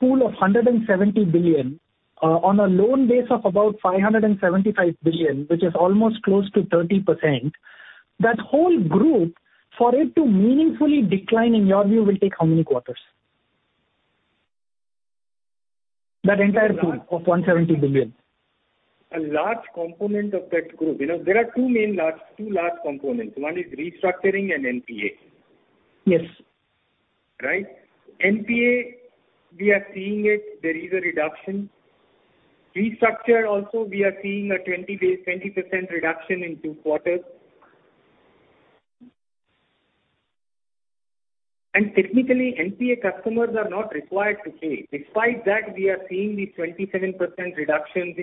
pool of 170 billion on a loan base of about 575 billion, which is almost close to 30%, that whole group, for it to meaningfully decline, in your view, will take how many quarters? That entire pool of 170 billion. A large component of that group. You know, there are two main large components. One is restructuring and NPA. Yes. Right? NPA, we are seeing it, there is a reduction. Restructure also, we are seeing a 20 bps, 20% reduction in two quarters. Technically, NPA customers are not required to pay. Despite that, we are seeing the 27% reductions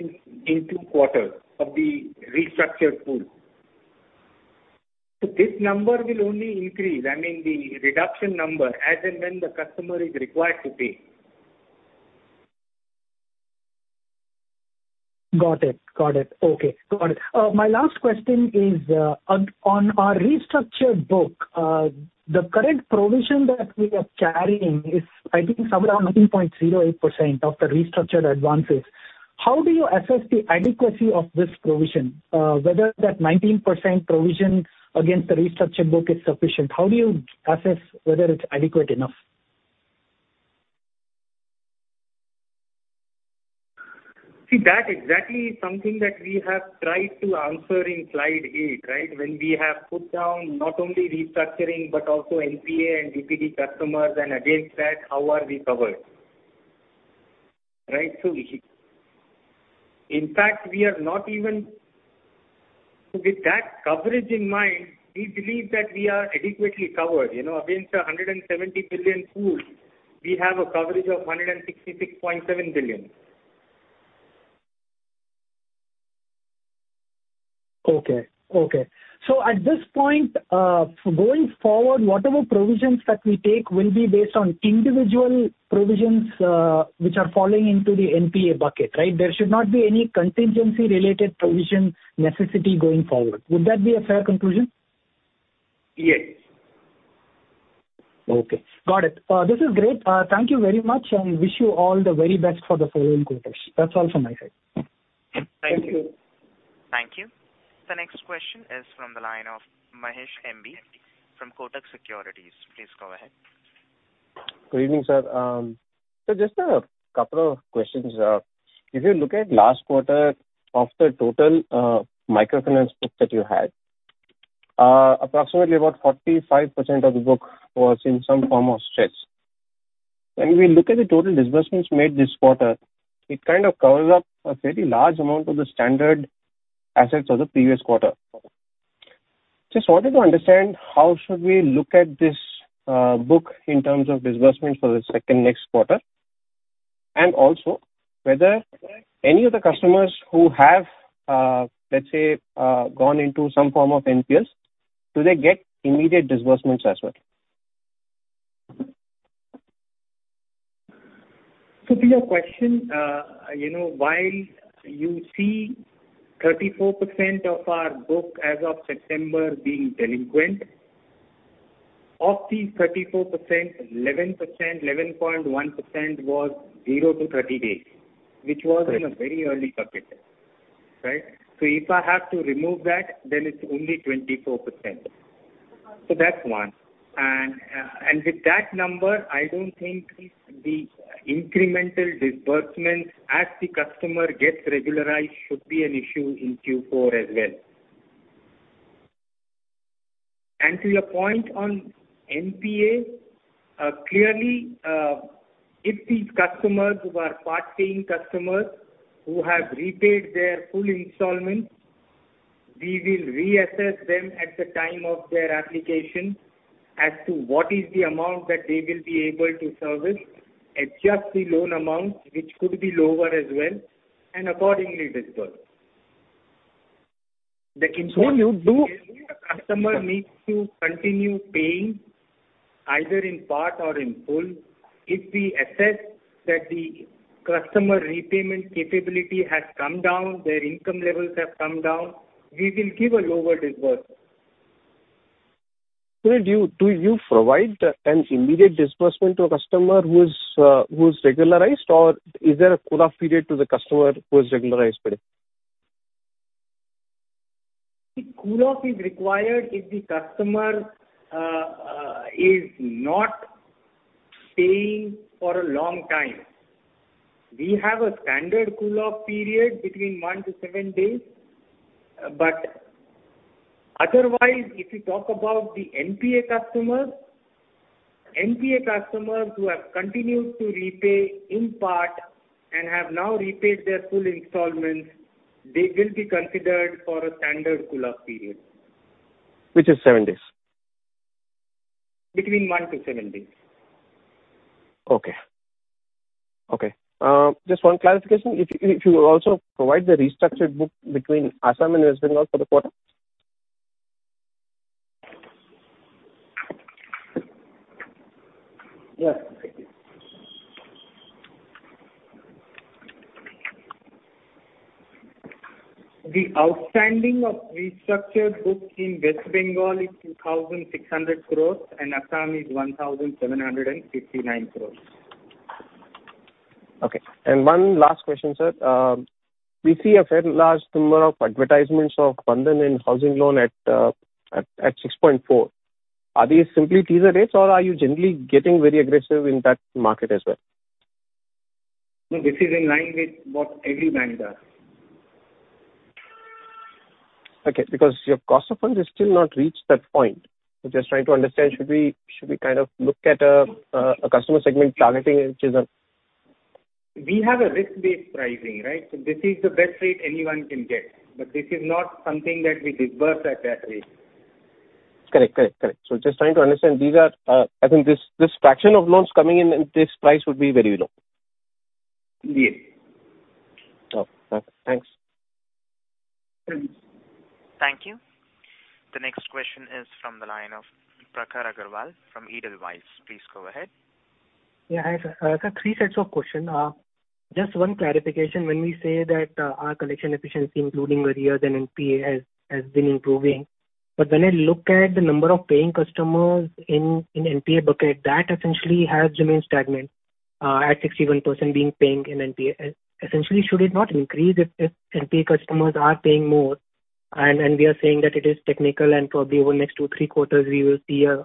in two quarters of the restructured pool. This number will only increase, I mean, the reduction number, as and when the customer is required to pay. Got it. Okay. My last question is on our restructured book. The current provision that we are carrying is, I think, somewhere around 19.08% of the restructured advances. How do you assess the adequacy of this provision? Whether that 19% provision against the restructured book is sufficient. How do you assess whether it's adequate enough? See, that exactly is something that we have tried to answer in slide 8, right? When we have put down not only restructuring, but also NPA and DPD customers and against that, how are we covered? Right. With that coverage in mind, we believe that we are adequately covered. You know, against the 170 billion pool, we have a coverage of 166.7 billion. Okay. At this point, going forward, whatever provisions that we take will be based on individual provisions, which are falling into the NPA bucket, right? There should not be any contingency related provision necessity going forward. Would that be a fair conclusion? Yes. Okay. Got it. This is great. Thank you very much and I wish you all the very best for the following quarters. That's all from my side. Thank you. Thank you. The next question is from the line of Mahesh M.B. From Kotak Securities. Please go ahead. Good evening, sir. Just a couple of questions. If you look at last quarter of the total microfinance book that you had, approximately about 45% of the book was in some form of stress. When we look at the total disbursements made this quarter, it kind of covers up a very large amount of the standard assets of the previous quarter. Just wanted to understand how should we look at this book in terms of disbursements for the second next quarter, and also whether any of the customers who have, let's say, gone into some form of NPA, do they get immediate disbursements as well? To your question, you know, while you see 34% of our book as of September being delinquent, of the 34%, 11%, 11.1% was 0-30 days, which was in a very early bucket. Right? If I have to remove that, then it's only 24%. That's one. With that number, I don't think the incremental disbursement as the customer gets regularized should be an issue in Q4 as well. To your point on NPA, clearly, if these customers who are part-paying customers who have repaid their full installments, we will reassess them at the time of their application as to what is the amount that they will be able to service, adjust the loan amount, which could be lower as well, and accordingly disburse. You do. If the customer needs to continue paying either in part or in full, if we assess that the customer repayment capability has come down, their income levels have come down, we will give a lower disbursement. Sir, do you provide an immediate disbursement to a customer who's regularized, or is there a cool-off period to the customer who is regularized by it? The cool-off is required if the customer is not paying for a long time. We have a standard cool-off period between one to seven days. Otherwise, if you talk about the NPA customers who have continued to repay in part and have now repaid their full installments, they will be considered for a standard cool-off period. Which is seven days. Between one to seven days. Okay, just one clarification. If you also provide the restructured book between Assam and West Bengal for the quarter? Yeah. The outstanding of restructured book in West Bengal is 2,600 crores and Assam is 1,759 crores. Okay. One last question, sir. We see a fairly large number of advertisements of Bandhan in housing loan at 6.4. Are these simply teaser rates or are you generally getting very aggressive in that market as well? No, this is in line with what every bank does. Okay, because your cost of funds has still not reached that point. I'm just trying to understand, should we kind of look at a customer segment targeting which is a... We have a risk-based pricing, right? This is the best rate anyone can get, but this is not something that we disburse at that rate. Correct. Just trying to understand, these are, I think this fraction of loans coming in at this price would be very low. Yes. Oh, okay. Thanks. Thanks. Thank you. The next question is from the line of Prakhar Agarwal from Edelweiss. Please go ahead. Yeah, hi sir. Sir, three sets of questions. Just one clarification. When we say that our collection efficiency, including arrears and NPA has been improving, but when I look at the number of paying customers in NPA bucket, that essentially has remained stagnant at 61% being paying in NPA. Essentially, should it not increase if NPA customers are paying more? And we are saying that it is technical and probably over the next two, three quarters we will see a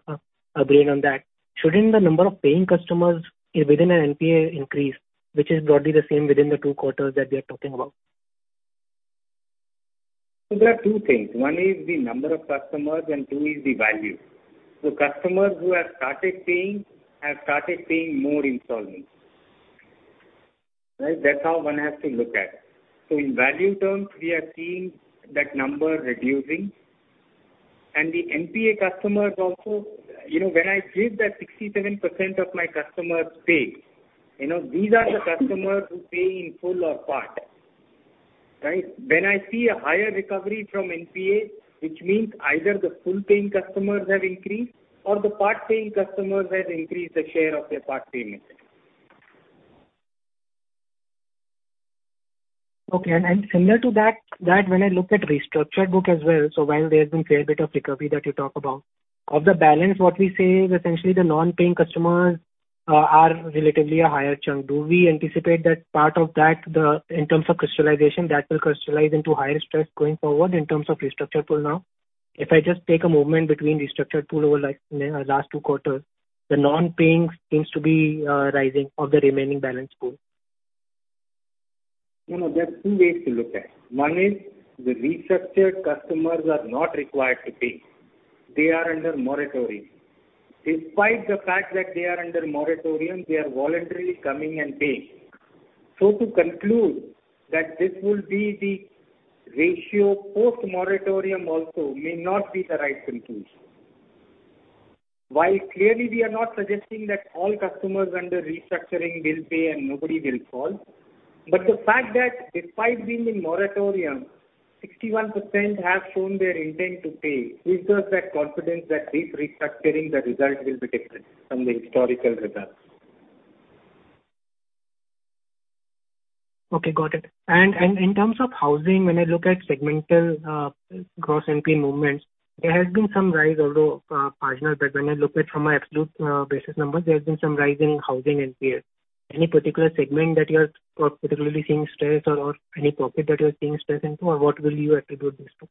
gain on that. Shouldn't the number of paying customers within an NPA increase, which is broadly the same within the two quarters that we are talking about? There are two things. One is the number of customers and two is the value. Customers who have started paying have started paying more installments. Right? That's how one has to look at. In value terms, we are seeing that number reducing. The NPA customers also, you know, when I give that 67% of my customers pay, you know, these are the customers who pay in full or part. Right? When I see a higher recovery from NPA, which means either the full-paying customers have increased or the part-paying customers have increased the share of their part payments. Okay. Similar to that, when I look at restructured book as well, so while there has been fair bit of recovery that you talk about, of the balance what we say is essentially the non-paying customers are relatively a higher chunk. Do we anticipate that part of that, in terms of crystallization, that will crystallize into higher stress going forward in terms of restructured pool now? If I just take a moment between restructured pool over like last two quarters, the non-paying seems to be rising of the remaining balance pool. You know, there are two ways to look at it. One is the restructured customers are not required to pay. They are under moratorium. Despite the fact that they are under moratorium, they are voluntarily coming and paying. To conclude that this will be the ratio post-moratorium also may not be the right conclusion. While clearly we are not suggesting that all customers under restructuring will pay and nobody will fall, but the fact that despite being in moratorium, 61% have shown their intent to pay gives us that confidence that this restructuring, the result will be different from the historical results. Okay, got it. In terms of housing, when I look at segmental gross NPA movements, there has been some rise although marginal, but when I look at from an absolute basis numbers, there has been some rise in housing NPAs. Any particular segment that you are particularly seeing stress or any product that you're seeing stress in, too, or what will you attribute this to?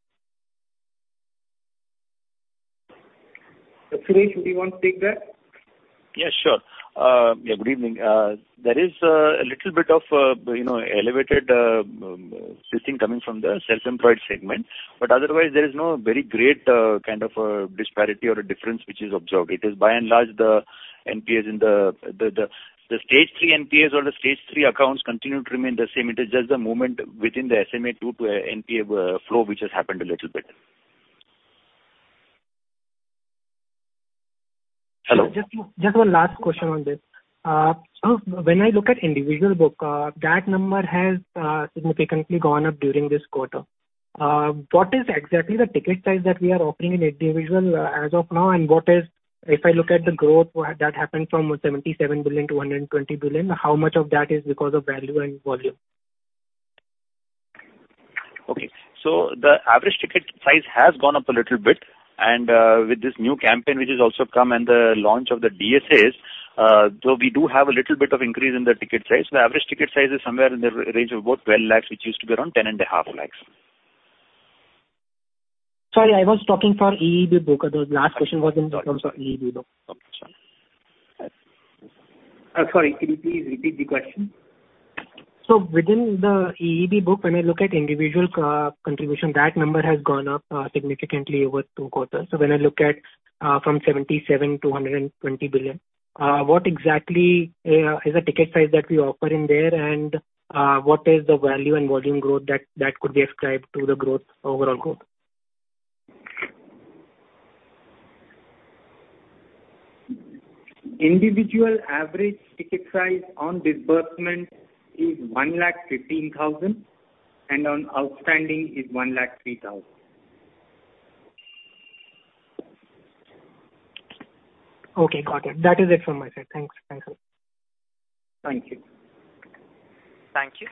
Suresh, do you want to take that? Yes, sure. Yeah, good evening. There is a little bit of, you know, elevated stress coming from the self-employed segment, but otherwise there is no very great kind of a disparity or a difference which is observed. It is by and large the NPAs in the stage three NPAs or the stage three accounts continue to remain the same. It is just the movement within the SMA two to NPA flow which has happened a little bit. Hello? Just one last question on this. When I look at individual book, that number has significantly gone up during this quarter. What is exactly the ticket size that we are offering in individual as of now, and what is, if I look at the growth that happened from 77 billion to 120 billion, how much of that is because of value and volume? Okay. The average ticket size has gone up a little bit and, with this new campaign which has also come and the launch of the DSAs, so we do have a little bit of increase in the ticket size. The average ticket size is somewhere in the range of about 12 lakhs, which used to be around 10.5 lakhs. Sorry, I was talking for EEB book. The last question was in terms of EEB book. Oh, sorry. Could you please repeat the question? Within the EEB book, when I look at individual contribution, that number has gone up significantly over two quarters. When I look at from 77 billion to 120 billion, what exactly is the ticket size that we offer in there and what is the value and volume growth that could be ascribed to the growth, overall growth? Individual average ticket size on disbursement is 1,15,000 and on outstanding is 1,03,000. Okay, got it. That is it from my side. Thanks. Thanks a lot. Thank you. Thank you.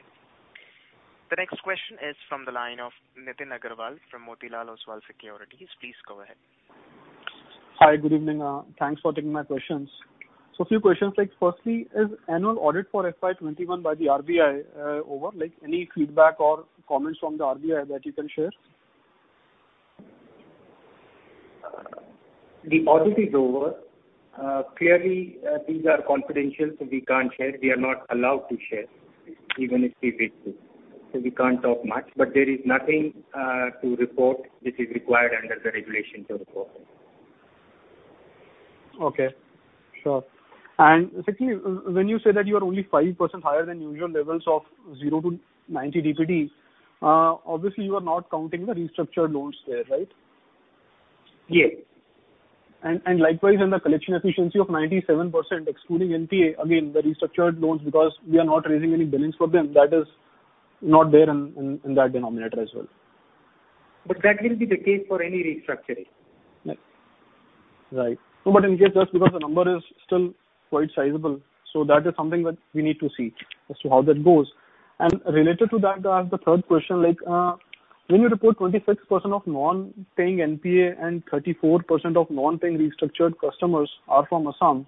The next question is from the line of Nitin Agarwal from Motilal Oswal Financial Services. Please go ahead. Hi, good evening. Thanks for taking my questions. A few questions, like firstly, is annual audit for FY 2021 by the RBI over? Like, any feedback or comments from the RBI that you can share? The audit is over. Clearly, these are confidential, so we can't share. We are not allowed to share even if we wish to. We can't talk much, but there is nothing to report which is required under the regulation to report. Okay. Sure. Secondly, when you say that you are only 5% higher than usual levels of 0-90 DPD, obviously you are not counting the restructured loans there, right? Yes. Likewise in the collection efficiency of 97% excluding NPA, again, the restructured loans because we are not raising any billings for them, that is not there in that denominator as well. That will be the case for any restructuring. Right. No, but in case just because the number is still quite sizable, so that is something that we need to see as to how that goes. Related to that, the third question, like, when you report 26% of non-performing NPA and 34% of non-performing restructured customers are from Assam,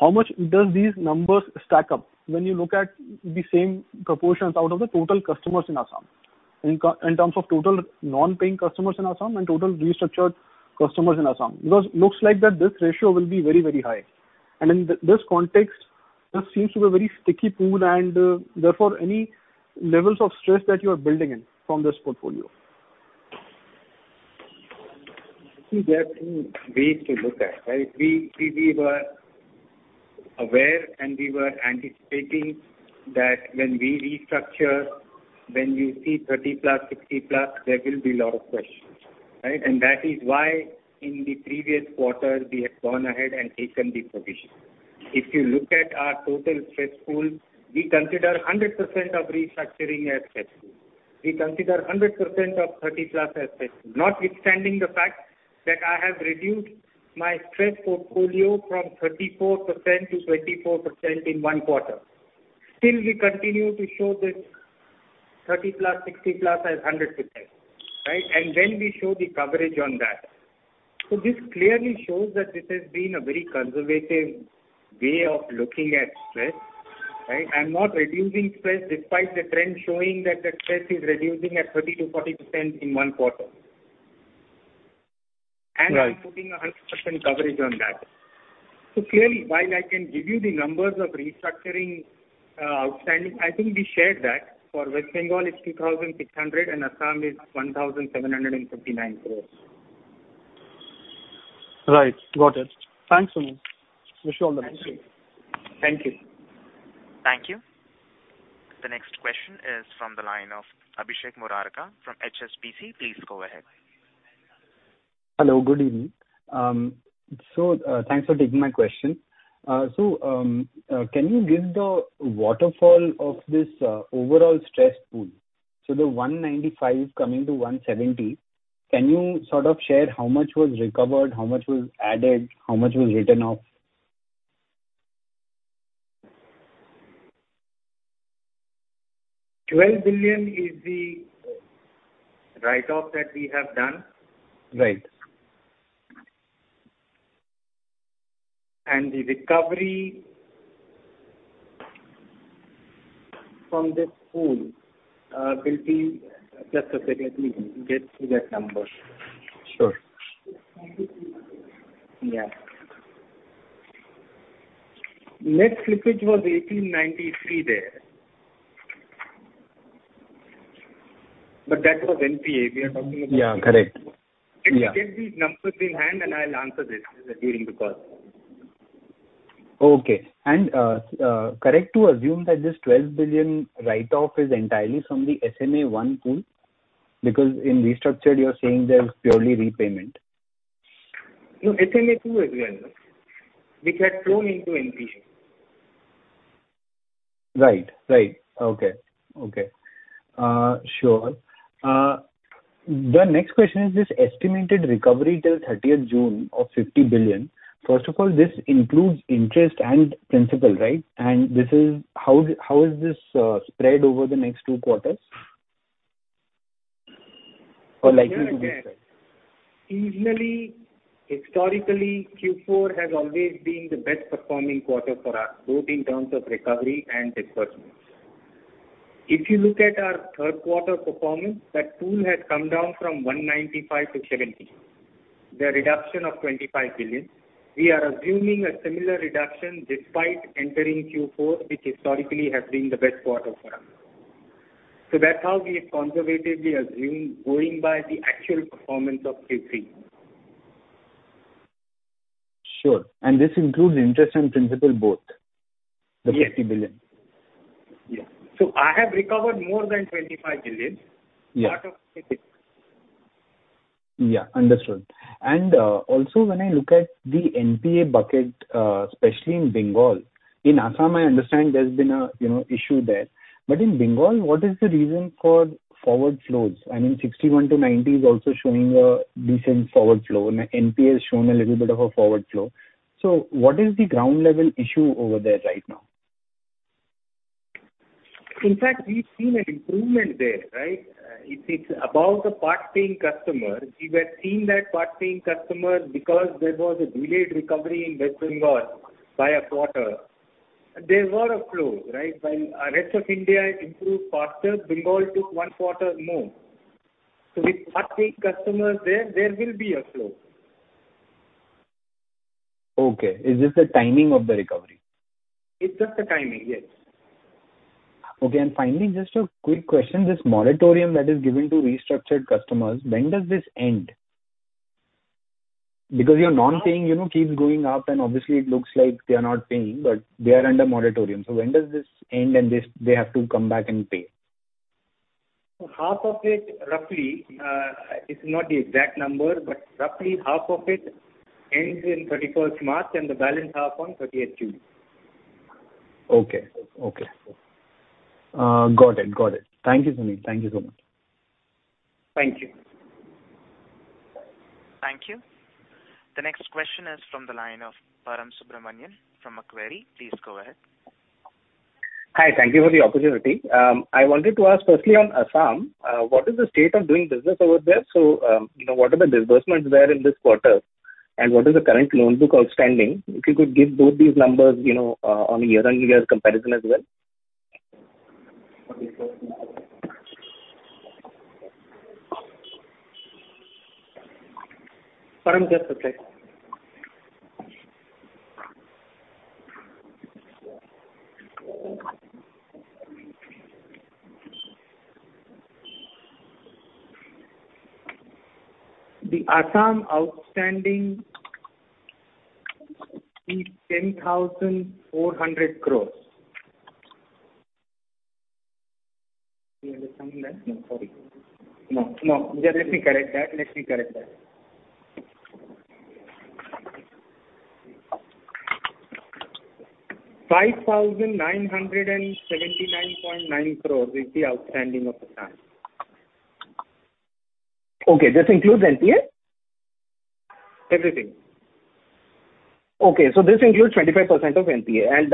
how much does these numbers stack up when you look at the same proportions out of the total customers in Assam, in terms of total non-performing customers in Assam and total restructured customers in Assam? Because it looks like that this ratio will be very, very high. In this context, this seems to be very sticky pool and, therefore any levels of stress that you are building in from this portfolio. See, there are two ways to look at, right? We were aware and we were anticipating that when we restructure, when we see 30+, 60+, there will be a lot of questions, right? And that is why in the previous quarter, we had gone ahead and taken the provision. If you look at our total stress pool, we consider 100% of restructuring as stress pool. We consider 100% of 30+ as stress, notwithstanding the fact that I have reduced my stress portfolio from 34% to 24% in one quarter. Still we continue to show this 30+, 60+ as 100%, right? And then we show the coverage on that. This clearly shows that this has been a very conservative way of looking at stress, right? I'm not reducing stress despite the trend showing that the stress is reducing at 30%-40% in 1 quarter. Right. I'm putting 100% coverage on that. Clearly, while I can give you the numbers of restructuring, outstanding, I think we shared that. For West Bengal it's 2,600 crore and Assam is 1,759 crore. Right. Got it. Thanks, Sunil. Wish you all the best. Thank you. Thank you. The next question is from the line of Abhishek Murarka from HSBC. Please go ahead. Hello, good evening. Thanks for taking my question. Can you give the waterfall of this overall stress pool? The 195 coming to 170, can you sort of share how much was recovered, how much was added, how much was written off? 12 billion is the write-off that we have done. Right. The recovery from this pool will be just a second. Let me get to that number. Sure. Yeah. Net slippage was 1,893 there. That was NPA, we are talking about. Yeah, correct. Yeah. Give me numbers in hand and I'll answer this during the call. Okay. Is it correct to assume that this 12 billion write-off is entirely from the SMA 1 pool? Because in restructured you are saying there's purely repayment. No, SMA two as well, which had flown into NPA. Right. Okay. Sure. The next question is this estimated recovery till thirtieth June of 50 billion. First of all, this includes interest and principal, right? How is this spread over the next two quarters? Or likely to be spread. Usually, historically, Q4 has always been the best performing quarter for us, both in terms of recovery and disbursements. If you look at our third quarter performance, that pool has come down from 195 to 170. The reduction of 25 billion. We are assuming a similar reduction despite entering Q4, which historically has been the best quarter for us. That's how we have conservatively assumed going by the actual performance of Q3. Sure. This includes interest and principal both? Yes. The 50 billion. Yeah. I have recovered more than 25 billion. Yeah. Part of it is. Yeah, understood. Also when I look at the NPA bucket, especially in Bengal, in Assam, I understand there's been a, you know, issue there. In Bengal, what is the reason for forward flows? I mean, 61-90 is also showing a decent forward flow. NPA has shown a little bit of a forward flow. What is the ground level issue over there right now? In fact, we've seen an improvement there, right? If it's about the part-paying customer, we were seeing that part-paying customer because there was a delayed recovery in West Bengal by a quarter. There was a flow, right? While rest of India improved faster, Bengal took one quarter more. With part-paying customers there will be a flow. Okay. Is this the timing of the recovery? It's just the timing, yes. Okay. Finally, just a quick question. This moratorium that is given to restructured customers, when does this end? Because your non-paying, you know, keeps going up, and obviously it looks like they are not paying, but they are under moratorium. When does this end and they have to come back and pay? Half of it, roughly, it's not the exact number, but roughly half of it ends in thirty-first March and the balance half on thirtieth June. Okay. Got it. Thank you, Sunil. Thank you so much. Thank you. Thank you. The next question is from the line of Param Subramanian from Macquarie. Please go ahead. Hi. Thank you for the opportunity. I wanted to ask firstly on Assam, what is the state of doing business over there? You know, what are the disbursements there in this quarter, and what is the current loan book outstanding? If you could give both these numbers, you know, on a year-on-year comparison as well. Param, just a sec. The Assam outstanding is INR 10,400 crore. Do you understand that? No, sorry. No. Just let me correct that. 5,979.9 crore is the outstanding of Assam. Okay, this includes NPA? Everything. This includes 25% of NPA, and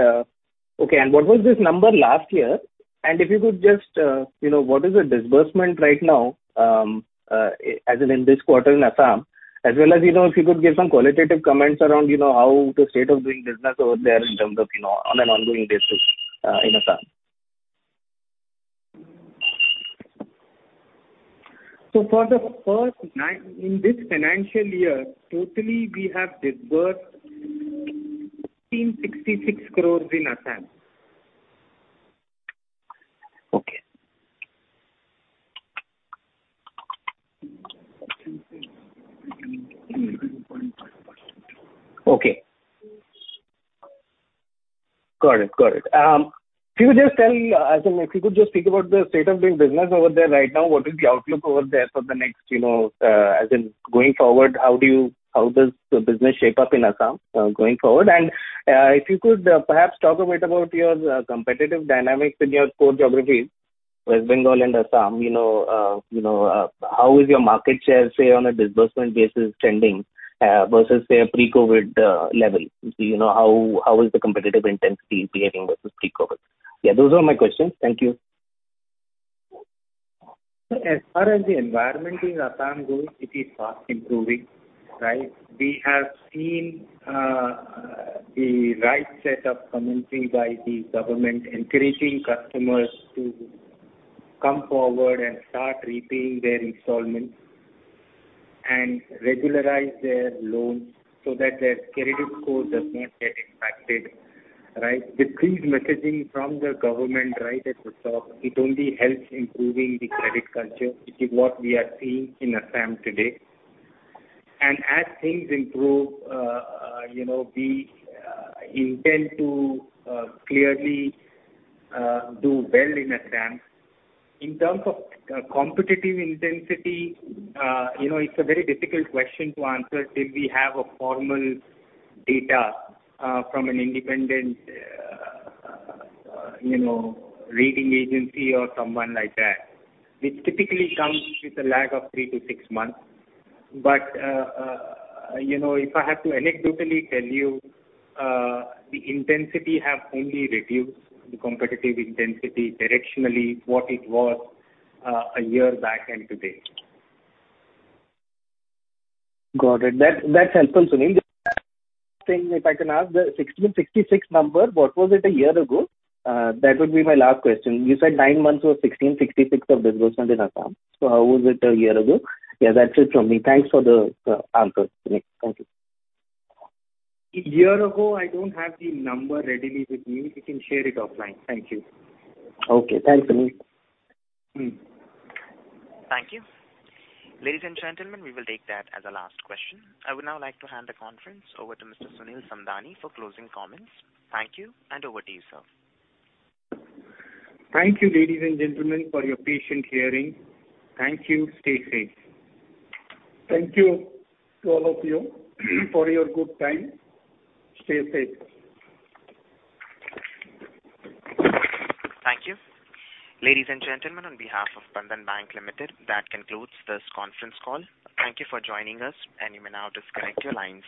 what was this number last year? If you could just, you know, what is the disbursement right now, as in this quarter in Assam, as well as, you know, if you could give some qualitative comments around, you know, how the state of doing business over there in terms of, you know, on an ongoing basis, in Assam. For the first nine months in this financial year, totally we have disbursed 1,666 crore in Assam. Okay. Got it. Could you just tell, as in if you could just speak about the state of doing business over there right now, what is the outlook over there for the next, you know, as in going forward, how does the business shape up in Assam, going forward? And if you could perhaps talk a bit about your competitive dynamics in your core geographies, West Bengal and Assam, you know, how is your market share, say, on a disbursement basis trending, versus, say, pre-COVID level? You know, how is the competitive intensity behaving versus pre-COVID? Yeah, those are my questions. Thank you. As far as the environment in Assam goes, it is fast improving, right? We have seen the right set of communication by the government encouraging customers to come forward and start repaying their installments and regularize their loans so that their credit score does not get impacted, right? This clear messaging from the government right at the top, it only helps improving the credit culture, which is what we are seeing in Assam today. As things improve, you know, we intend to clearly do well in Assam. In terms of competitive intensity, you know, it's a very difficult question to answer till we have formal data from an independent rating agency or someone like that, which typically comes with a lag of three to six months. You know, if I have to anecdotally tell you, the intensity have only reduced the competitive intensity directionally what it was, a year back and today. Got it. That's helpful, Sunil. Just one last thing, if I can ask, the 1,666 number, what was it a year ago? That would be my last question. You said nine months was 1,666 of disbursement in Assam. How was it a year ago? Yeah, that's it from me. Thanks for the answers, Sunil. Thank you. A year ago, I don't have the number readily with me. We can share it offline. Thank you. Okay. Thanks, Sunil. Mm-hmm. Thank you. Ladies and gentlemen, we will take that as our last question. I would now like to hand the conference over to Mr. Sunil Samdani for closing comments. Thank you, and over to you, sir. Thank you, ladies and gentlemen, for your patient hearing. Thank you. Stay safe. Thank you to all of you for your good time. Stay safe. Thank you. Ladies and gentlemen, on behalf of Bandhan Bank Limited, that concludes this conference call. Thank you for joining us, and you may now disconnect your lines.